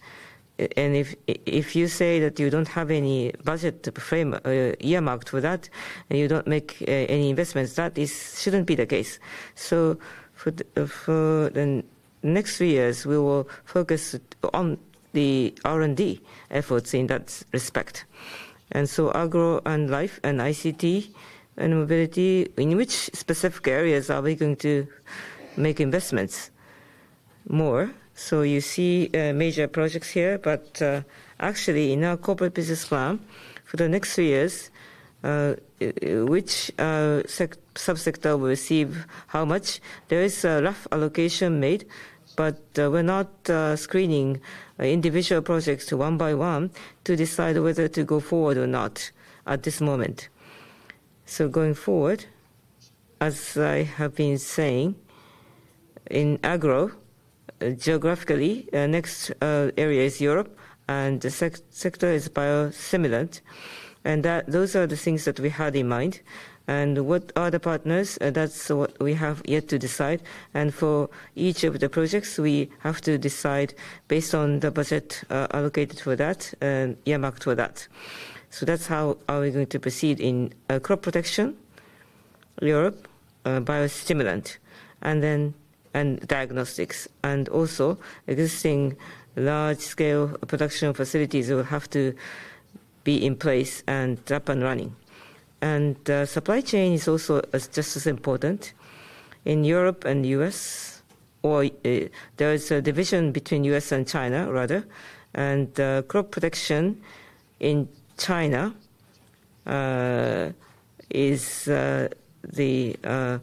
And if you say that you don't have any budget framework, earmarked for that, and you don't make any investments, that shouldn't be the case. So for the next three years, we will focus on the R&D efforts in that respect. And so Agro and Life and ICT and Mobility, in which specific areas are we going to make investments more? So you see major projects here, but actually, in our Corporate Business Plan, for the next three years, which subsector will receive how much? There is a rough allocation made, but we're not screening individual projects one by one to decide whether to go forward or not at this moment. Going forward, as I have been saying, in Agro, geographically, next area is Europe, and the sector is biostimulant. Those are the things that we had in mind. What are the partners? That's what we have yet to decide. For each of the projects, we have to decide based on the budget allocated for that and earmarked for that. That's how we are going to proceed in Crop Protection, Europe, biostimulant, and diagnostics. Also, existing large-scale production facilities will have to be in place and up and running. Supply chain is also just as important. In Europe and the U.S., or there is a division between the U.S. and China, rather. Crop production in China is the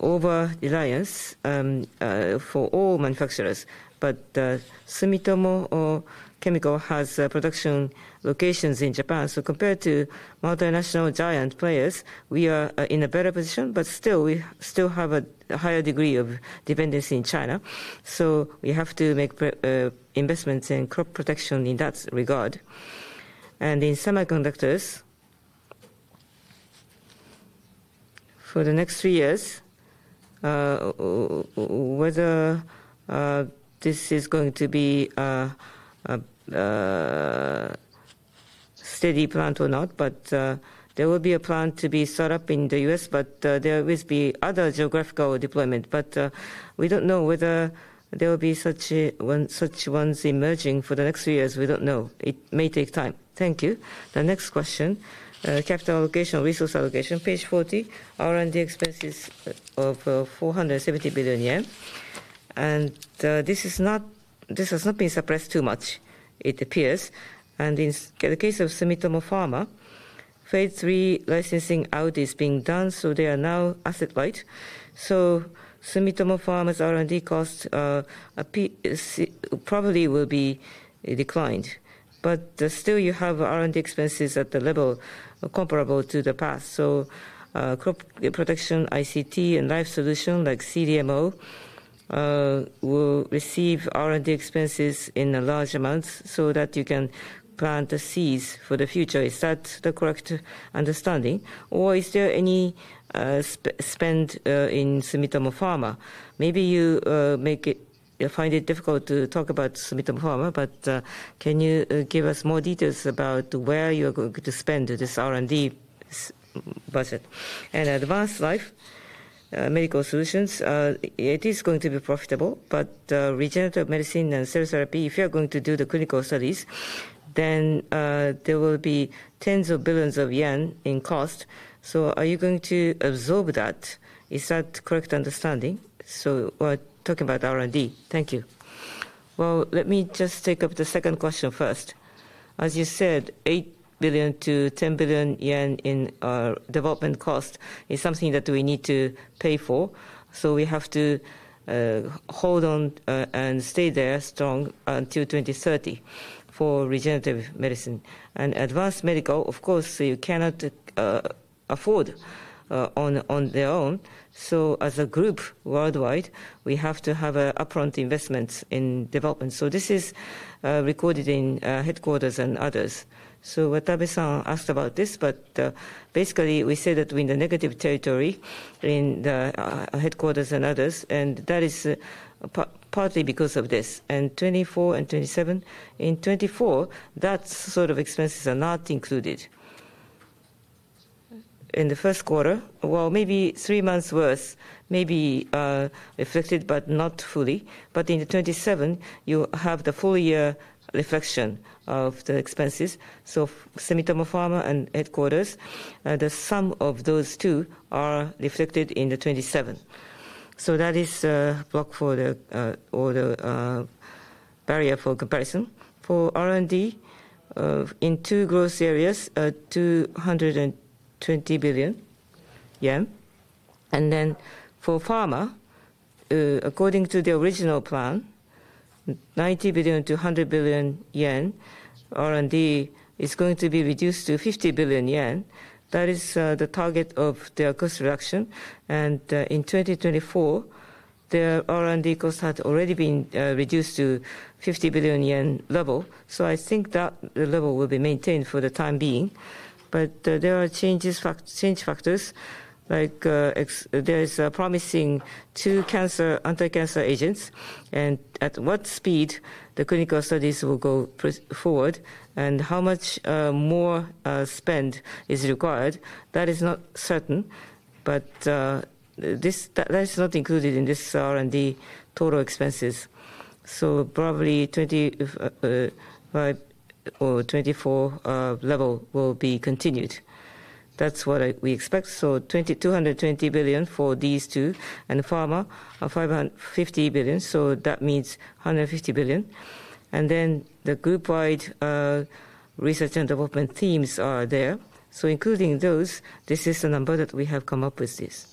over-reliance for all manufacturers. But Sumitomo Chemical has production locations in Japan. So compared to multinational giant players, we are in a better position, but still, we still have a higher degree of dependency in China. So we have to make investments in crop production in that regard. And in semiconductors, for the next three years, whether this is going to be a steady plant or not, but there will be a plan to be set up in the U.S., but there will be other geographical deployment. But we don't know whether there will be such ones emerging for the next three years. We don't know. It may take time. Thank you. The next question, capital allocation, resource allocation, page 40, R&D expenses of 470 billion yen. And this has not been suppressed too much, it appears. And in the case of Sumitomo Pharma, Phase III licensing out is being done, so they are now asset-light. Sumitomo Pharma's R&D cost probably will be declined. But still, you have R&D expenses at the level comparable to the past. Crop Protection, ICT, and Life Solution like CDMO will receive R&D expenses in large amounts so that you can plan to seize for the future. Is that the correct understanding? Or is there any spend in Sumitomo Pharma? Maybe you find it difficult to talk about Sumitomo Pharma, but can you give us more details about where you are going to spend this R&D budget? Advanced Life Medical Solutions, it is going to be profitable, but regenerative medicine and cell therapy, if you're going to do the clinical studies, then there will be tens of billions of JPY in cost. Are you going to absorb that? Is that the correct understanding? We're talking about R&D. Thank you. Let me just take up the second question first. As you said, 8 billion-10 billion yen in development cost is something that we need to pay for. So we have to hold on and stay there strong until 2030 for regenerative medicine. And Advanced Medical, of course, you cannot afford on their own. So as a group worldwide, we have to have upfront investments in development. So this is recorded in headquarters and others. So Watabe-san asked about this, but basically, we said that we're in the negative territory in the headquarters and others, and that is partly because of this. And 2024 and 2027, in 2024, that sort of expenses are not included in the first quarter. Maybe three months' worth may be reflected, but not fully. But in the 2027, you have the full year reflection of the expenses. Sumitomo Pharma and headquarters, the sum of those two are reflected in the 27. That is a block for the barrier for comparison. For R&D, in two growth areas, 220 billion yen. Then for pharma, according to the original plan, 90 billion-100 billion yen R&D is going to be reduced to 50 billion yen. That is the target of their cost reduction. In 2024, their R&D cost had already been reduced to 50 billion yen level. I think that the level will be maintained for the time being. There are change factors, like there is a promising two cancer anti-cancer agents, and at what speed the clinical studies will go forward and how much more spend is required. That is not certain, but that is not included in this R&D total expenses. Probably 25 or 24 level will be continued. That's what we expect. So 220 billion for these two and pharma 50 billion. So that means 150 billion. And then the group-wide research and development themes are there. So including those, this is the number that we have come up with this.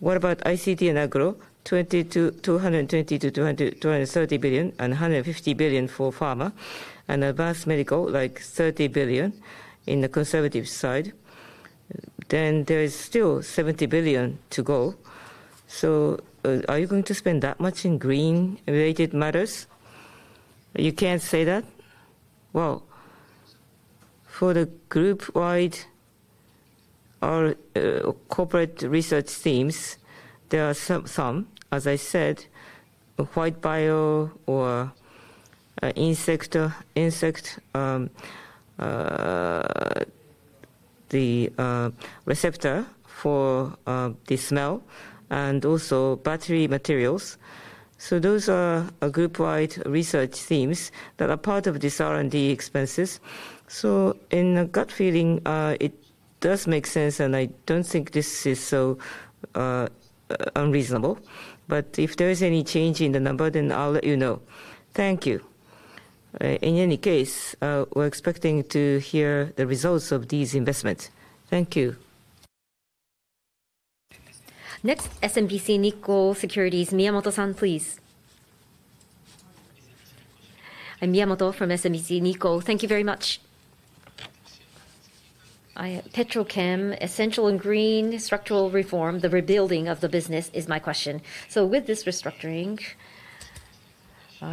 What about ICT and Agro? 220-230 billion and 150 billion for pharma and Advanced Medical, like 30 billion in the conservative side. Then there is still 70 billion to go. So are you going to spend that much in green-related matters? You can't say that. Well, for the group-wide corporate research themes, there are some, as I said, White Bio or insect receptor for the smell and also battery materials. So those are group-wide research themes that are part of these R&D expenses. So in a gut feeling, it does make sense, and I don't think this is so unreasonable. But if there is any change in the number, then I'll let you know. Thank you. In any case, we're expecting to hear the results of these investments. Thank you. Next, SMBC Nikko Securities, Miyamoto-san, please. Miyamoto from SMBC Nikko. Thank you very much. Petrochem, Essential and Green structural reform, the rebuilding of the business is my question. So with this restructuring,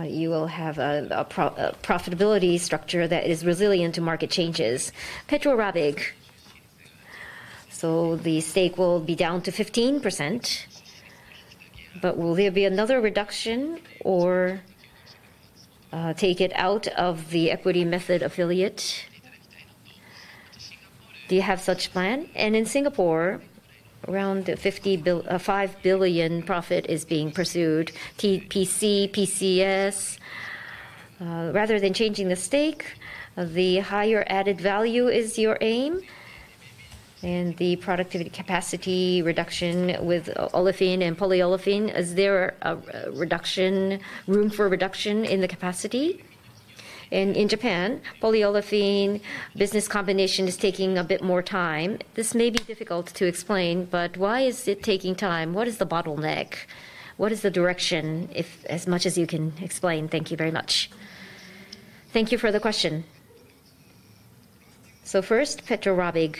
you will have a profitability structure that is resilient to market changes. Petro Rabigh. So the stake will be down to 15%. But will there be another reduction or take it out of the equity method affiliate? Do you have such a plan? And in Singapore, around 5 billion profit is being pursued. TPC, PCS. Rather than changing the stake, the higher added value is your aim. And the production capacity reduction with olefin and polyolefin, is there room for reduction in the capacity? In Japan, polyolefin business combination is taking a bit more time. This may be difficult to explain, but why is it taking time? What is the bottleneck? What is the direction, as much as you can explain? Thank you very much. Thank you for the question. First, Petro Rabigh.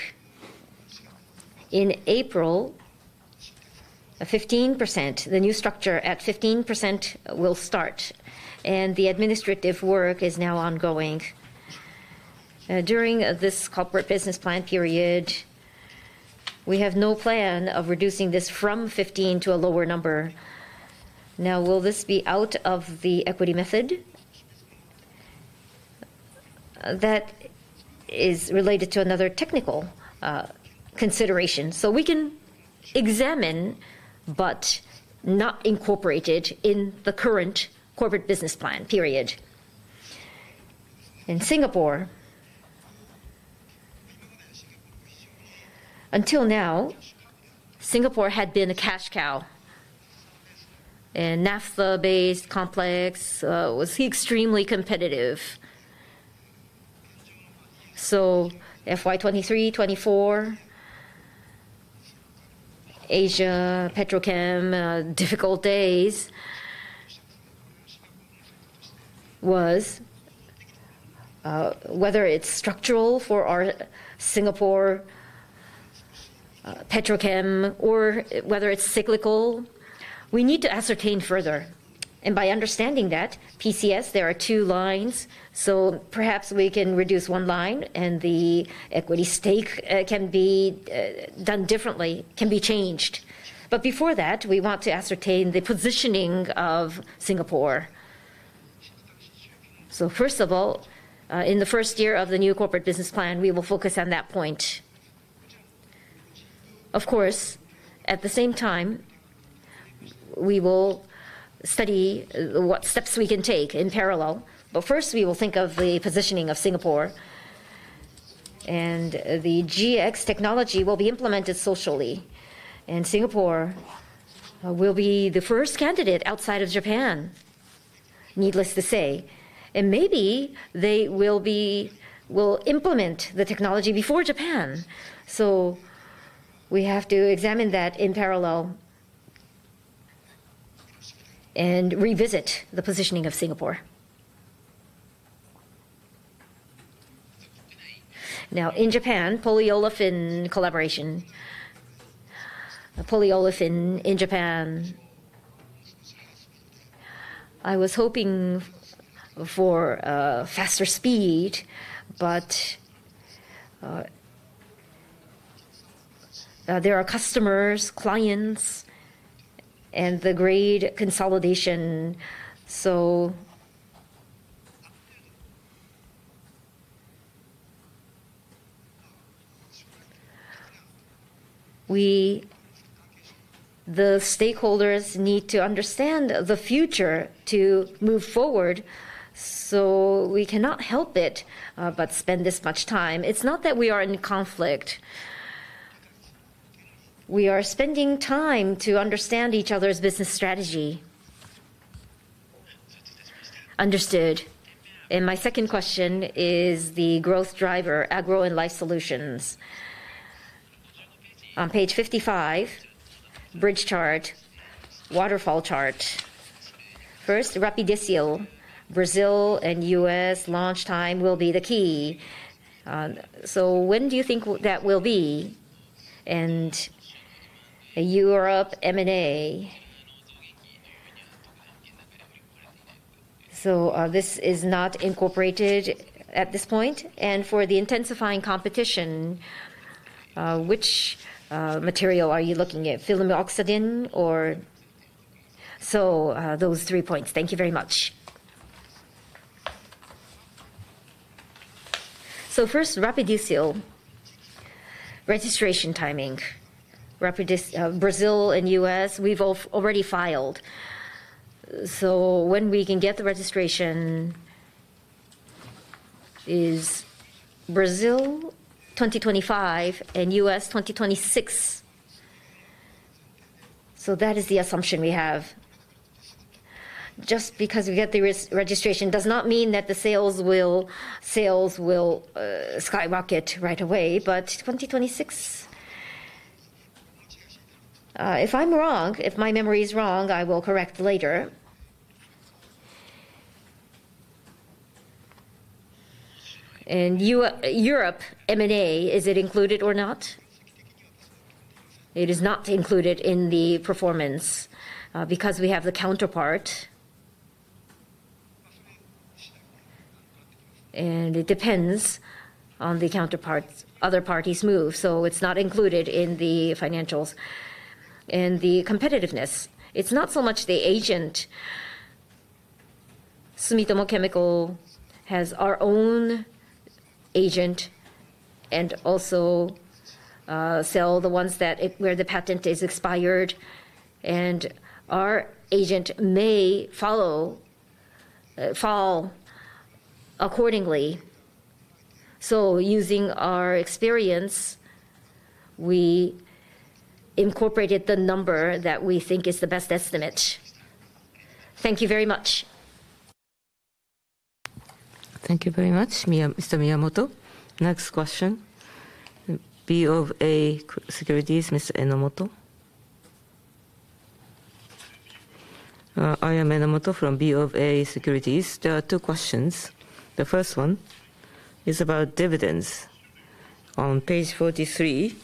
In April, 15%. The new structure at 15% will start, and the administrative work is now ongoing. During this Corporate Business Plan period, we have no plan of reducing this from 15 to a lower number. Now, will this be out of the equity method? That is related to another technical consideration. We can examine, but not incorporate it in the current Corporate Business Plan period. In Singapore, until now, Singapore had been a cash cow. Naphtha-based complex was extremely competitive. FY 2023, 2024, Asia, Petrochem, difficult days. Whether it's structural for Singapore, Petrochem, or whether it's cyclical, we need to ascertain further, and by understanding that, PCS, there are two lines, so perhaps we can reduce one line, and the equity stake can be done differently, can be changed, but before that, we want to ascertain the positioning of Singapore, so first of all, in the first year of the new Corporate Business Plan, we will focus on that point. Of course, at the same time, we will study what steps we can take in parallel, but first, we will think of the positioning of Singapore, and the GX technology will be implemented socially, and Singapore will be the first candidate outside of Japan, needless to say, and maybe they will implement the technology before Japan, so we have to examine that in parallel and revisit the positioning of Singapore. Now, in Japan, polyolefin collaboration. Polyolefin in Japan. I was hoping for faster speed, but there are customers, clients, and the grade consolidation. So the stakeholders need to understand the future to move forward. So we cannot help it but spend this much time. It's not that we are in conflict. We are spending time to understand each other's business strategy. Understood. And my second question is the growth driver, Agro and Life Solutions. On page 55, bridge chart, waterfall chart. First, Rapidicil, Brazil and U.S. launch time will be the key. So when do you think that will be? And Europe, M&A. So this is not incorporated at this point. And for the intensifying competition, which material are you looking at? Flumioxazin or? So those three points. Thank you very much. So first, Rapidicil, registration timing. Brazil and U.S., we've already filed. So when we can get the registration is Brazil 2025 and U.S. 2026, so that is the assumption we have. Just because we get the registration does not mean that the sales will skyrocket right away, but 2026. If I'm wrong, if my memory is wrong, I will correct later, and Europe, M&A, is it included or not? It is not included in the performance because we have the counterpart, and it depends on the counterparts. Other parties move, so it's not included in the financials, and the competitiveness, it's not so much the agent. Sumitomo Chemical has our own agent and also sell the ones where the patent is expired, and our agent may fall accordingly, so using our experience, we incorporated the number that we think is the best estimate. Thank you very much. Thank you very much, Mr. Miyamoto. Next question, BofA Securities, Mr. Enomoto. I am Enomoto from BofA Securities. There are two questions. The first one is about dividends. On page 43,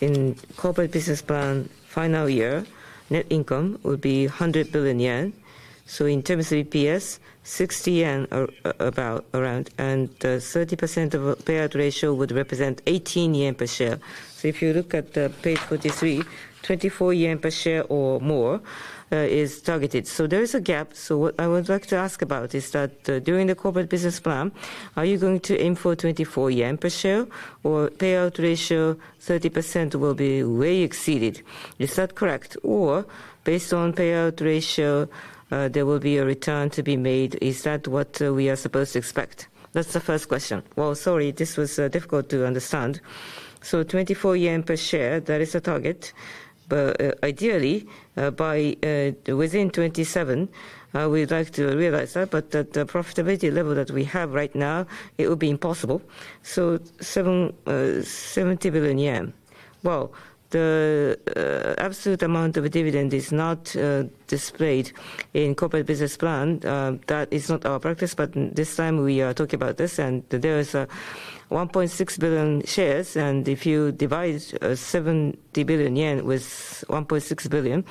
in Corporate Business Plan final year, net income would be 100 billion yen. So in terms of EPS, around JPY 60. And 30% of payout ratio would represent 18 yen per share. So if you look at page 43, 24 yen per share or more is targeted. So there is a gap. So what I would like to ask about is that during the Corporate Business Plan, are you going to aim for 24 yen per share or payout ratio 30% will be way exceeded? Is that correct? Or based on payout ratio, there will be a return to be made. Is that what we are supposed to expect? That's the first question. Well, sorry, this was difficult to understand. So 24 yen per share, that is a target. But ideally, by within 27, we'd like to realize that. But the profitability level that we have right now, it would be impossible. So 70 billion yen. Well, the absolute amount of dividend is not displayed in Corporate Business Plan. That is not our practice. But this time, we are talking about this. And there is a 1.6 billion shares. And if you divide 70 billion yen with 1.6 billion,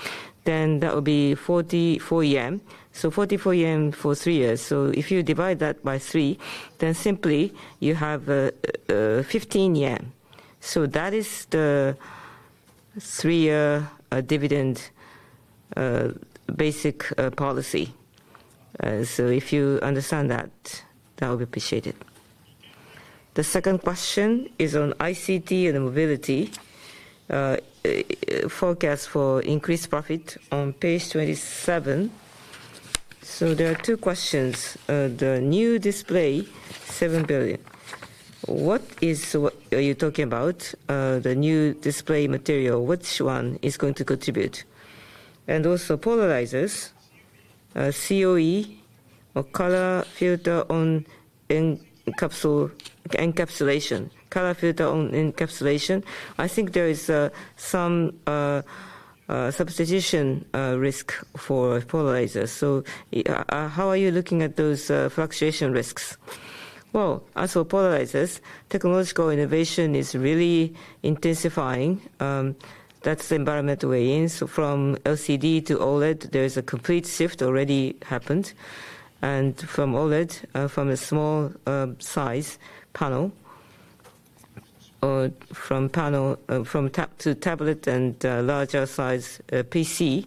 then that would be 44 yen. So 44 yen for three years. So if you divide that by three, then simply you have 15 yen. So that is the three-year dividend basic policy. So if you understand that, that would be appreciated. The second question is on ICT and Mobility forecast for increased profit on page 27. So there are two questions. The new display, 7 billion. What are you talking about? The new display material, which one is going to contribute? And also polarizers, COE or color filter on encapsulation, color filter on encapsulation. I think there is some substitution risk for polarizers. So how are you looking at those fluctuation risks? Well, as for polarizers, technological innovation is really intensifying. That's the environment we're in. So from LCD to OLED, there is a complete shift already happened. And from OLED, from a small size panel or from tablet and larger size PC,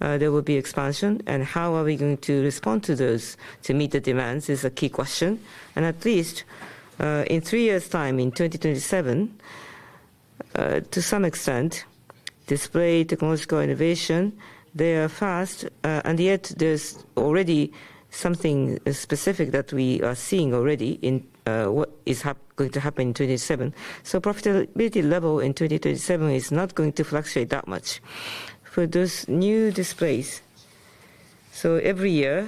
there will be expansion. And how are we going to respond to those to meet the demands is a key question. And at least in three years' time, in 2027, to some extent, display technological innovation, they are fast. And yet, there's already something specific that we are seeing already in what is going to happen in 2027. So profitability level in 2027 is not going to fluctuate that much for those new displays. Every year,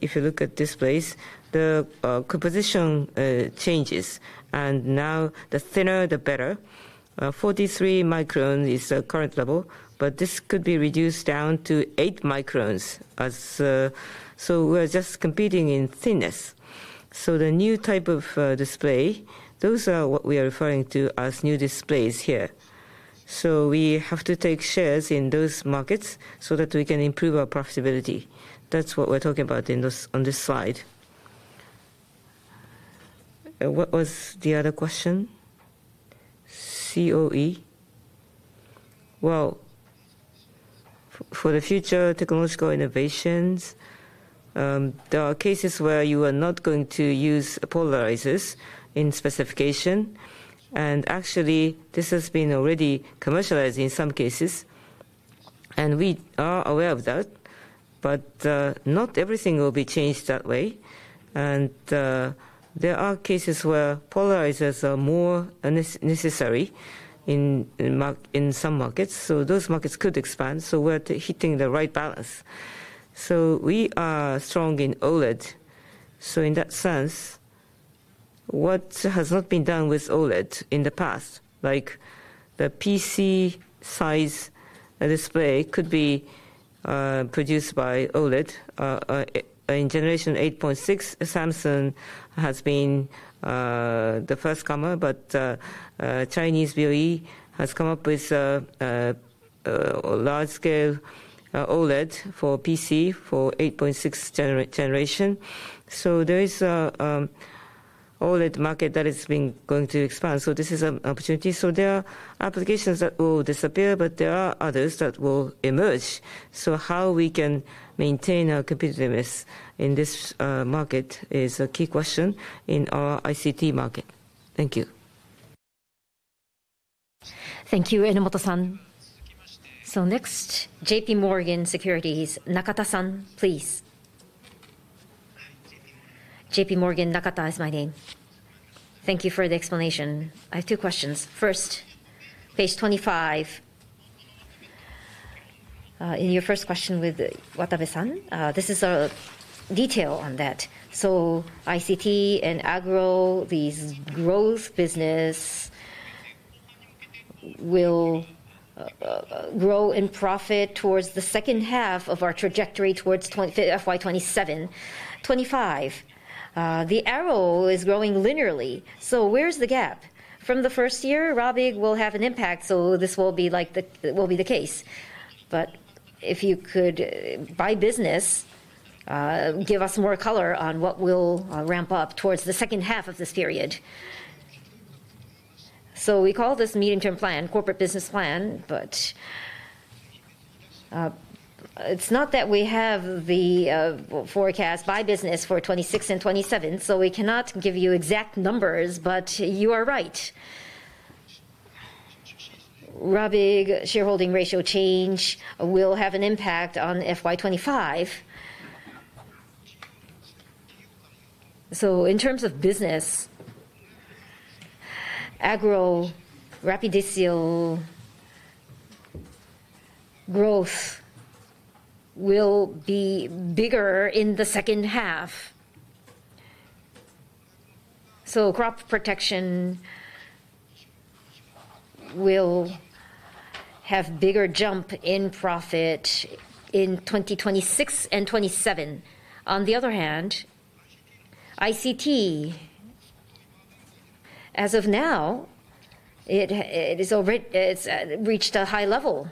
if you look at displays, the composition changes. And now the thinner, the better. 43 microns is the current level. But this could be reduced down to 8 microns. We're just competing in thinness. The new type of display, those are what we are referring to as new displays here. We have to take shares in those markets so that we can improve our profitability. That's what we're talking about on this slide. What was the other question? COE. For the future technological innovations, there are cases where you are not going to use polarizers in specification. Actually, this has been already commercialized in some cases. We are aware of that. Not everything will be changed that way. There are cases where polarizers are more necessary in some markets. Those markets could expand. So we're hitting the right balance. So we are strong in OLED. So in that sense, what has not been done with OLED in the past, like the PC size display could be produced by OLED in Generation 8.6. Samsung has been the first comer, but Chinese BOE has come up with large-scale OLED for PC for 8.6 generation. So there is an OLED market that has been going to expand. So this is an opportunity. So there are applications that will disappear, but there are others that will emerge. So how we can maintain our competitiveness in this market is a key question in our ICT market. Thank you. Thank you, Enomoto-san. So next, JPMorgan Securities, Nakata-san, please. JPMorgan Nakata is my name. Thank you for the explanation. I have two questions. First, page 25. In your first question with Watabe-san, this is a detail on that. ICT and Agro, these growth businesses will grow in profit towards the second half of our trajectory towards FY 2027 and FY 2025. The arrow is growing linearly. So where's the gap? From the first year, Rabigh will have an impact. So this will be the case. But if you could, by business, give us more color on what will ramp up towards the second half of this period. So we call this medium-term plan, Corporate Business Plan. But it's not that we have the forecast by business for 2026 and 2027. So we cannot give you exact numbers, but you are right. Rabigh shareholding ratio change will have an impact on FY 2025. So in terms of business, Agro, Rapidicil, growth will be bigger in the second half. So Crop Protection will have a bigger jump in profit in 2026 and 2027. On the other hand, ICT, as of now, it has reached a high level,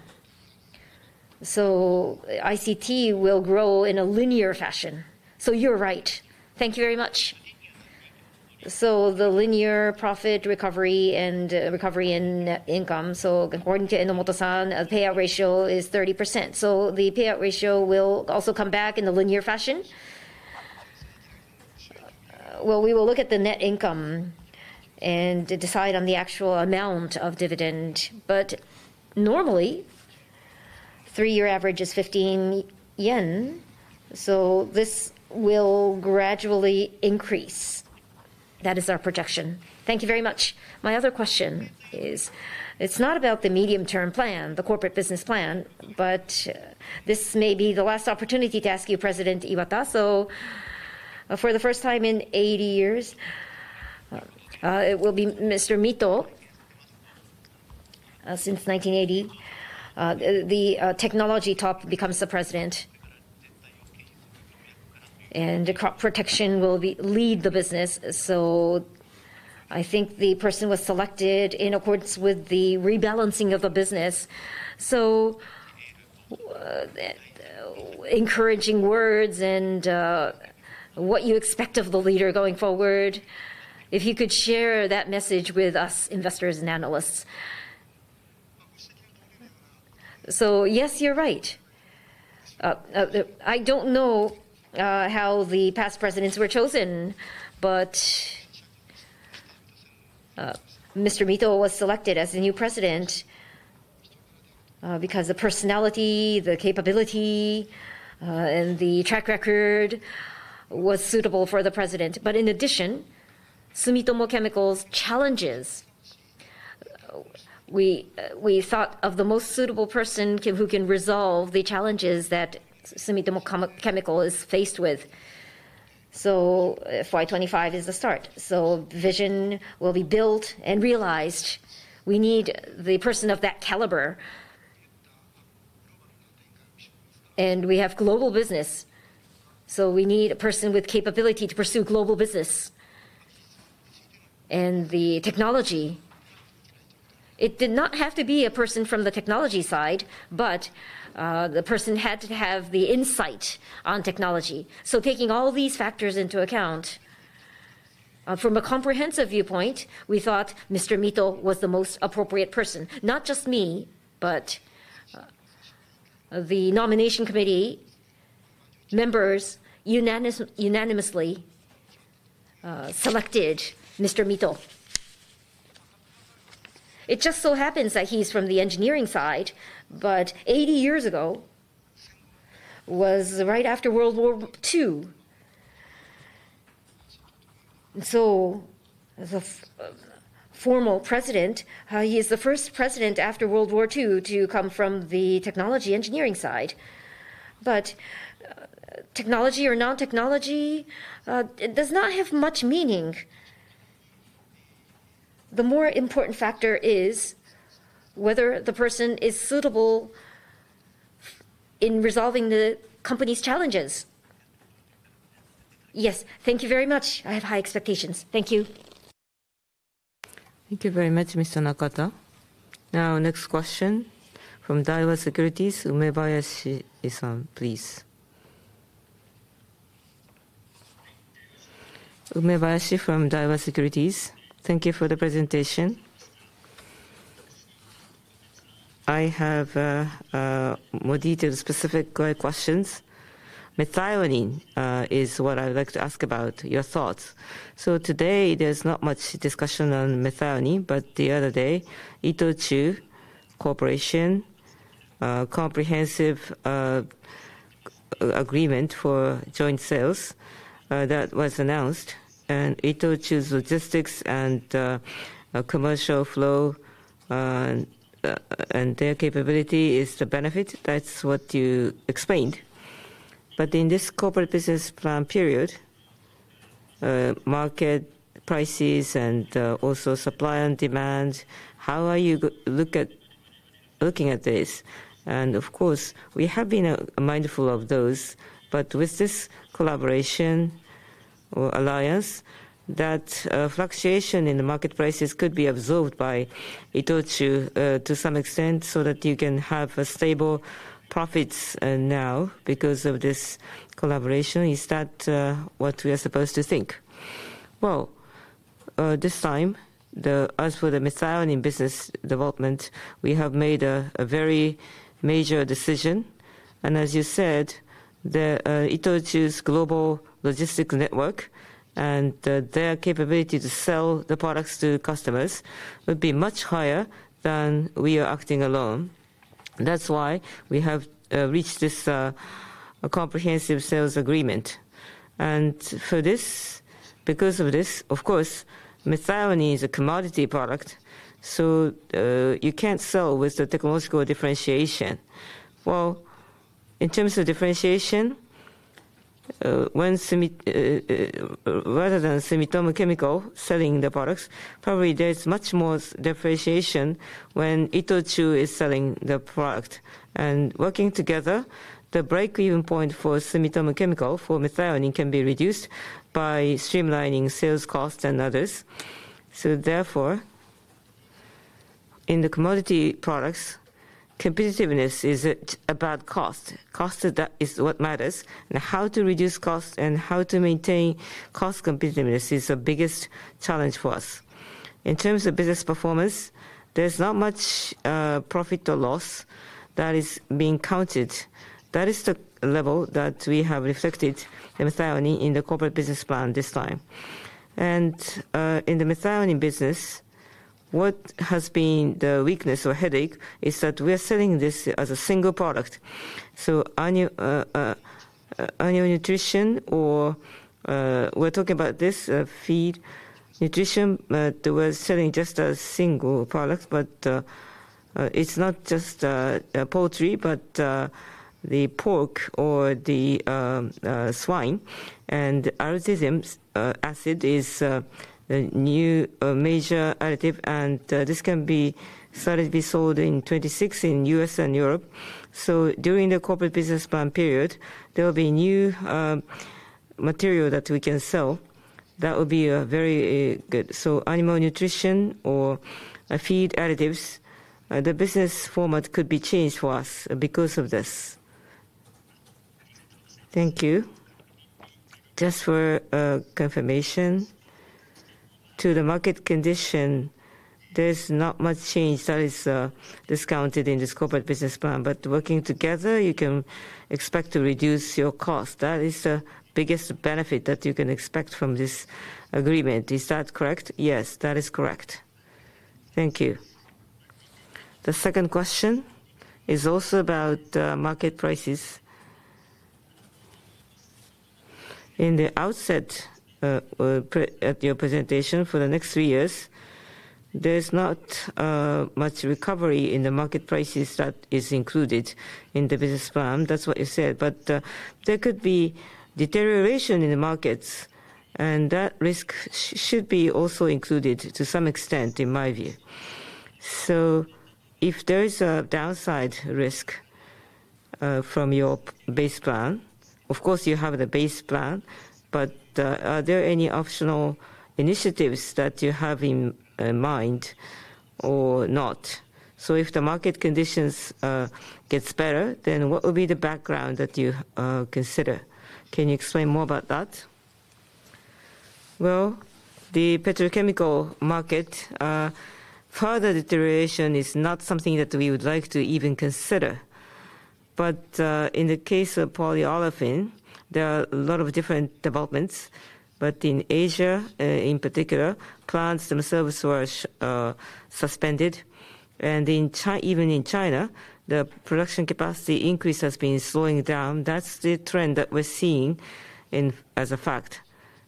so ICT will grow in a linear fashion, so you're right. Thank you very much. So the linear profit recovery and recovery in income, so according to Enomoto-san, the payout ratio is 30%, so the payout ratio will also come back in a linear fashion. Well, we will look at the net income and decide on the actual amount of dividend, but normally, three-year average is 15 yen, so this will gradually increase. That is our projection. Thank you very much. My other question is, it's not about the medium-term plan, the Corporate Business Plan, but this may be the last opportunity to ask you, President Iwata-san. For the first time in 80 years, it will be Mr. Mito. Since 1980, the technology top becomes the president, and Crop Protection will lead the business. So I think the person was selected in accordance with the rebalancing of the business. So encouraging words and what you expect of the leader going forward. If you could share that message with us, investors and analysts. So yes, you're right. I don't know how the past presidents were chosen, but Mr. Mito was selected as the new president because the personality, the capability, and the track record were suitable for the president. But in addition, Sumitomo Chemical's challenges. We thought of the most suitable person who can resolve the challenges that Sumitomo Chemical is faced with. So FY 2025 is the start. So vision will be built and realized. We need the person of that caliber. And we have global business. So we need a person with capability to pursue global business and the technology, it did not have to be a person from the technology side, but the person had to have the insight on technology. So taking all these factors into account, from a comprehensive viewpoint, we thought Mr. Mito was the most appropriate person. Not just me, but the nomination committee members unanimously selected Mr. Mito. It just so happens that he's from the engineering side, but 80 years ago was right after World War II. So as a formal president, he is the first president after World War II to come from the technology engineering side. But technology or non-technology does not have much meaning. The more important factor is whether the person is suitable in resolving the company's challenges. Yes, thank you very much. I have high expectations. Thank you. Thank you very much, Mr. Nakata. Now, next question from Daiwa Securities, Umebayashi-san, please. Umebayashi from Daiwa Securities, thank you for the presentation. I have more detailed specific questions. Methionine is what I'd like to ask about your thoughts. So today, there's not much discussion on methionine, but the other day, Itochu Corporation comprehensive agreement for joint sales that was announced. And Itochu's logistics and commercial flow and their capability is the benefit. That's what you explained. But in this Corporate Business Plan period, market prices and also supply and demand, how are you looking at this? And of course, we have been mindful of those. But with this collaboration or alliance, that fluctuation in the market prices could be absorbed by Itochu to some extent so that you can have stable profits now because of this collaboration. Is that what we are supposed to think? Well, this time, as for the methionine business development, we have made a very major decision. As you said, Itochu's global logistics network and their capability to sell the products to customers would be much higher than we are acting alone. That's why we have reached this comprehensive sales agreement. Because of this, of course, methionine is a commodity product. You can't sell with the technological differentiation. In terms of differentiation, rather than Sumitomo Chemical selling the products, probably there's much more differentiation when Itochu is selling the product. Working together, the break-even point for Sumitomo Chemical for methionine can be reduced by streamlining sales costs and others. Therefore, in the commodity products, competitiveness is about cost. Cost is what matters. How to reduce cost and how to maintain cost competitiveness is the biggest challenge for us. In terms of business performance, there's not much profit or loss that is being counted. That is the level that we have reflected the methionine in the Corporate Business Plan this time, and in the methionine business, what has been the weakness or headache is that we are selling this as a single product, so animal nutrition, or we're talking about this feed nutrition, but we're selling just a single product, but it's not just poultry, but the pork or the swine, and butyric acid is the new major additive, and this can be started to be sold in 2026 in the U.S. and Europe, so during the Corporate Business Plan period, there will be new material that we can sell, that will be very good, so animal nutrition or feed additives, the business format could be changed for us because of this. Thank you. Just for confirmation, to the market condition, there's not much change that is discounted in this Corporate Business Plan. But working together, you can expect to reduce your cost. That is the biggest benefit that you can expect from this agreement. Is that correct? Yes, that is correct. Thank you. The second question is also about market prices. In the outset of your presentation for the next three years, there's not much recovery in the market prices that is included in the business plan. That's what you said. But there could be deterioration in the markets. And that risk should be also included to some extent, in my view. So if there is a downside risk from your base plan, of course, you have the base plan. But are there any optional initiatives that you have in mind or not? So if the market conditions get better, then what will be the background that you consider? Can you explain more about that? Well, the petrochemical market, further deterioration is not something that we would like to even consider. But in the case of polyolefin, there are a lot of different developments. But in Asia, in particular, plants themselves were suspended. And even in China, the production capacity increase has been slowing down. That's the trend that we're seeing as a fact.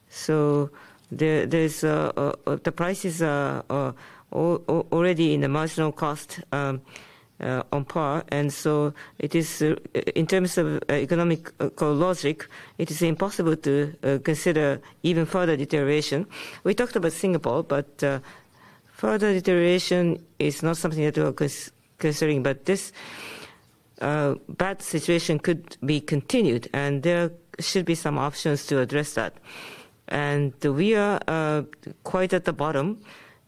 So the prices are already in the marginal cost on par. And so in terms of economic logic, it is impossible to consider even further deterioration. We talked about Singapore, but further deterioration is not something that we're considering. But this bad situation could be continued. And there should be some options to address that. And we are quite at the bottom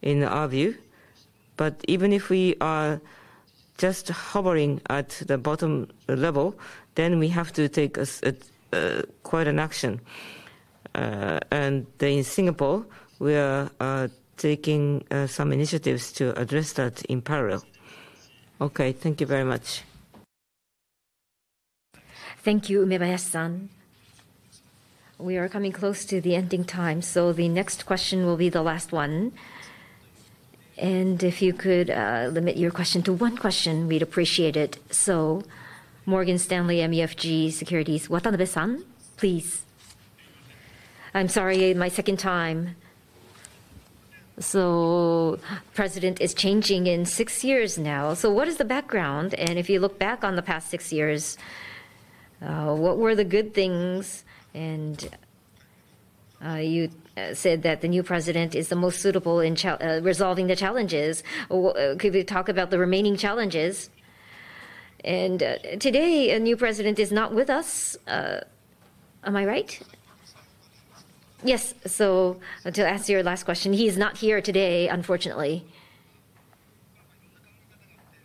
in our view. But even if we are just hovering at the bottom level, then we have to take quite an action and in Singapore, we are taking some initiatives to address that in parallel. Okay, thank you very much. Thank you, Umebayashi-san. We are coming close to the ending time. So the next question will be the last one. And if you could limit your question to one question, we'd appreciate it. So Morgan Stanley MUFG Securities, Watabe-san, please. I'm sorry, my second time. So the president is changing in six years now. So what is the background? And if you look back on the past six years, what were the good things? And you said that the new president is the most suitable in resolving the challenges. Could we talk about the remaining challenges? And today, a new president is not with us. Am I right? Yes. So to ask your last question, he is not here today, unfortunately.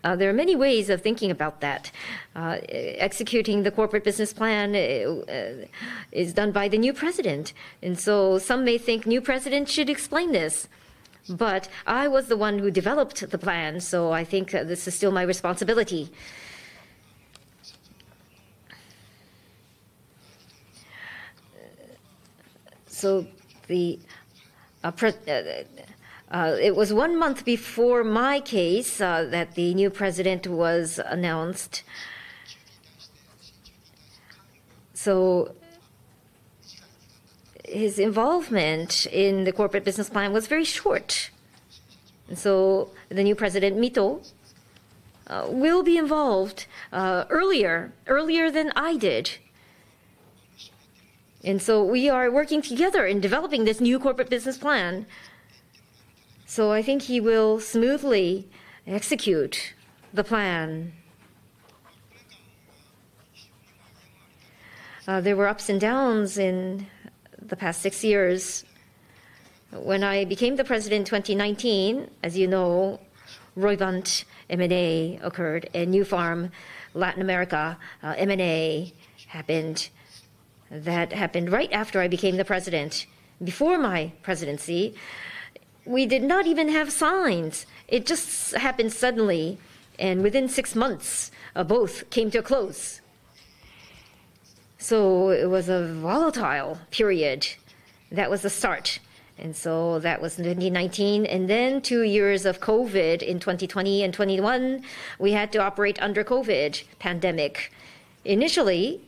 There are many ways of thinking about that. Executing the Corporate Business Plan is done by the new president. And so some may think the new president should explain this. But I was the one who developed the plan. So I think this is still my responsibility. So it was one month before my case that the new president was announced. So his involvement in the Corporate Business Plan was very short. And so the new president, Mito, will be involved earlier, earlier than I did. And so we are working together in developing this new Corporate Business Plan. So I think he will smoothly execute the plan. There were ups and downs in the past six years. When I became the president in 2019, as you know, Roivant M&A occurred. Nufarm, Latin America M&A happened. That happened right after I became the president, before my presidency. We did not even have signs. It just happened suddenly. And within six months, both came to a close. So it was a volatile period. That was the start. And so that was 2019. And then two years of COVID in 2020 and 2021, we had to operate under the COVID pandemic. Initially,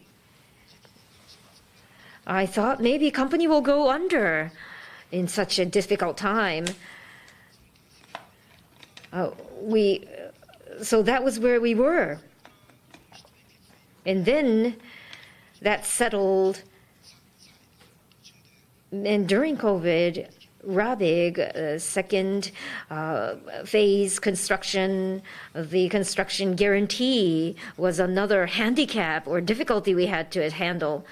I thought maybe the company will go under in such a difficult time. So that was where we were. And then that settled. And during COVID, Rabigh second phase construction, the construction guarantee was another handicap or difficulty we had to handle.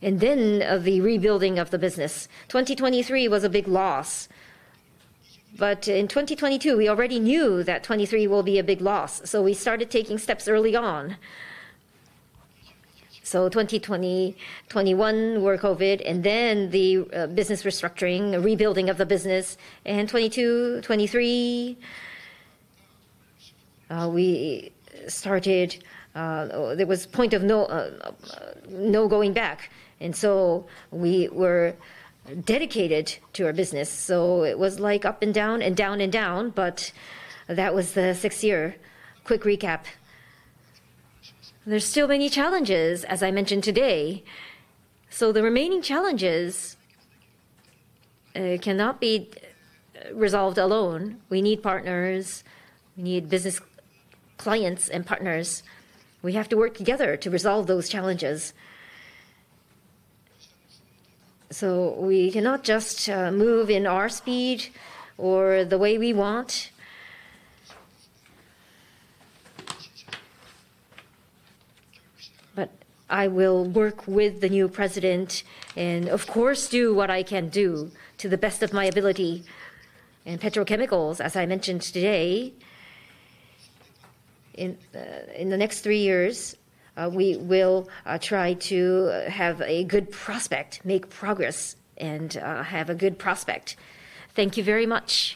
And then the rebuilding of the business. 2023 was a big loss. But in 2022, we already knew that 2023 will be a big loss. So we started taking steps early on. So 2021, we're COVID. And then the business restructuring, rebuilding of the business. And 2022, 2023, there was a point of no going back. And so we were dedicated to our business. So it was like up and down and down and down. But that was the six-year quick recap. There's still many challenges, as I mentioned today. So the remaining challenges cannot be resolved alone. We need partners. We need business clients and partners. We have to work together to resolve those challenges. So we cannot just move in our speed or the way we want. But I will work with the new president and, of course, do what I can do to the best of my ability. And petrochemicals, as I mentioned today, in the next three years we will try to have a good prospect, make progress, and have a good prospect. Thank you very much.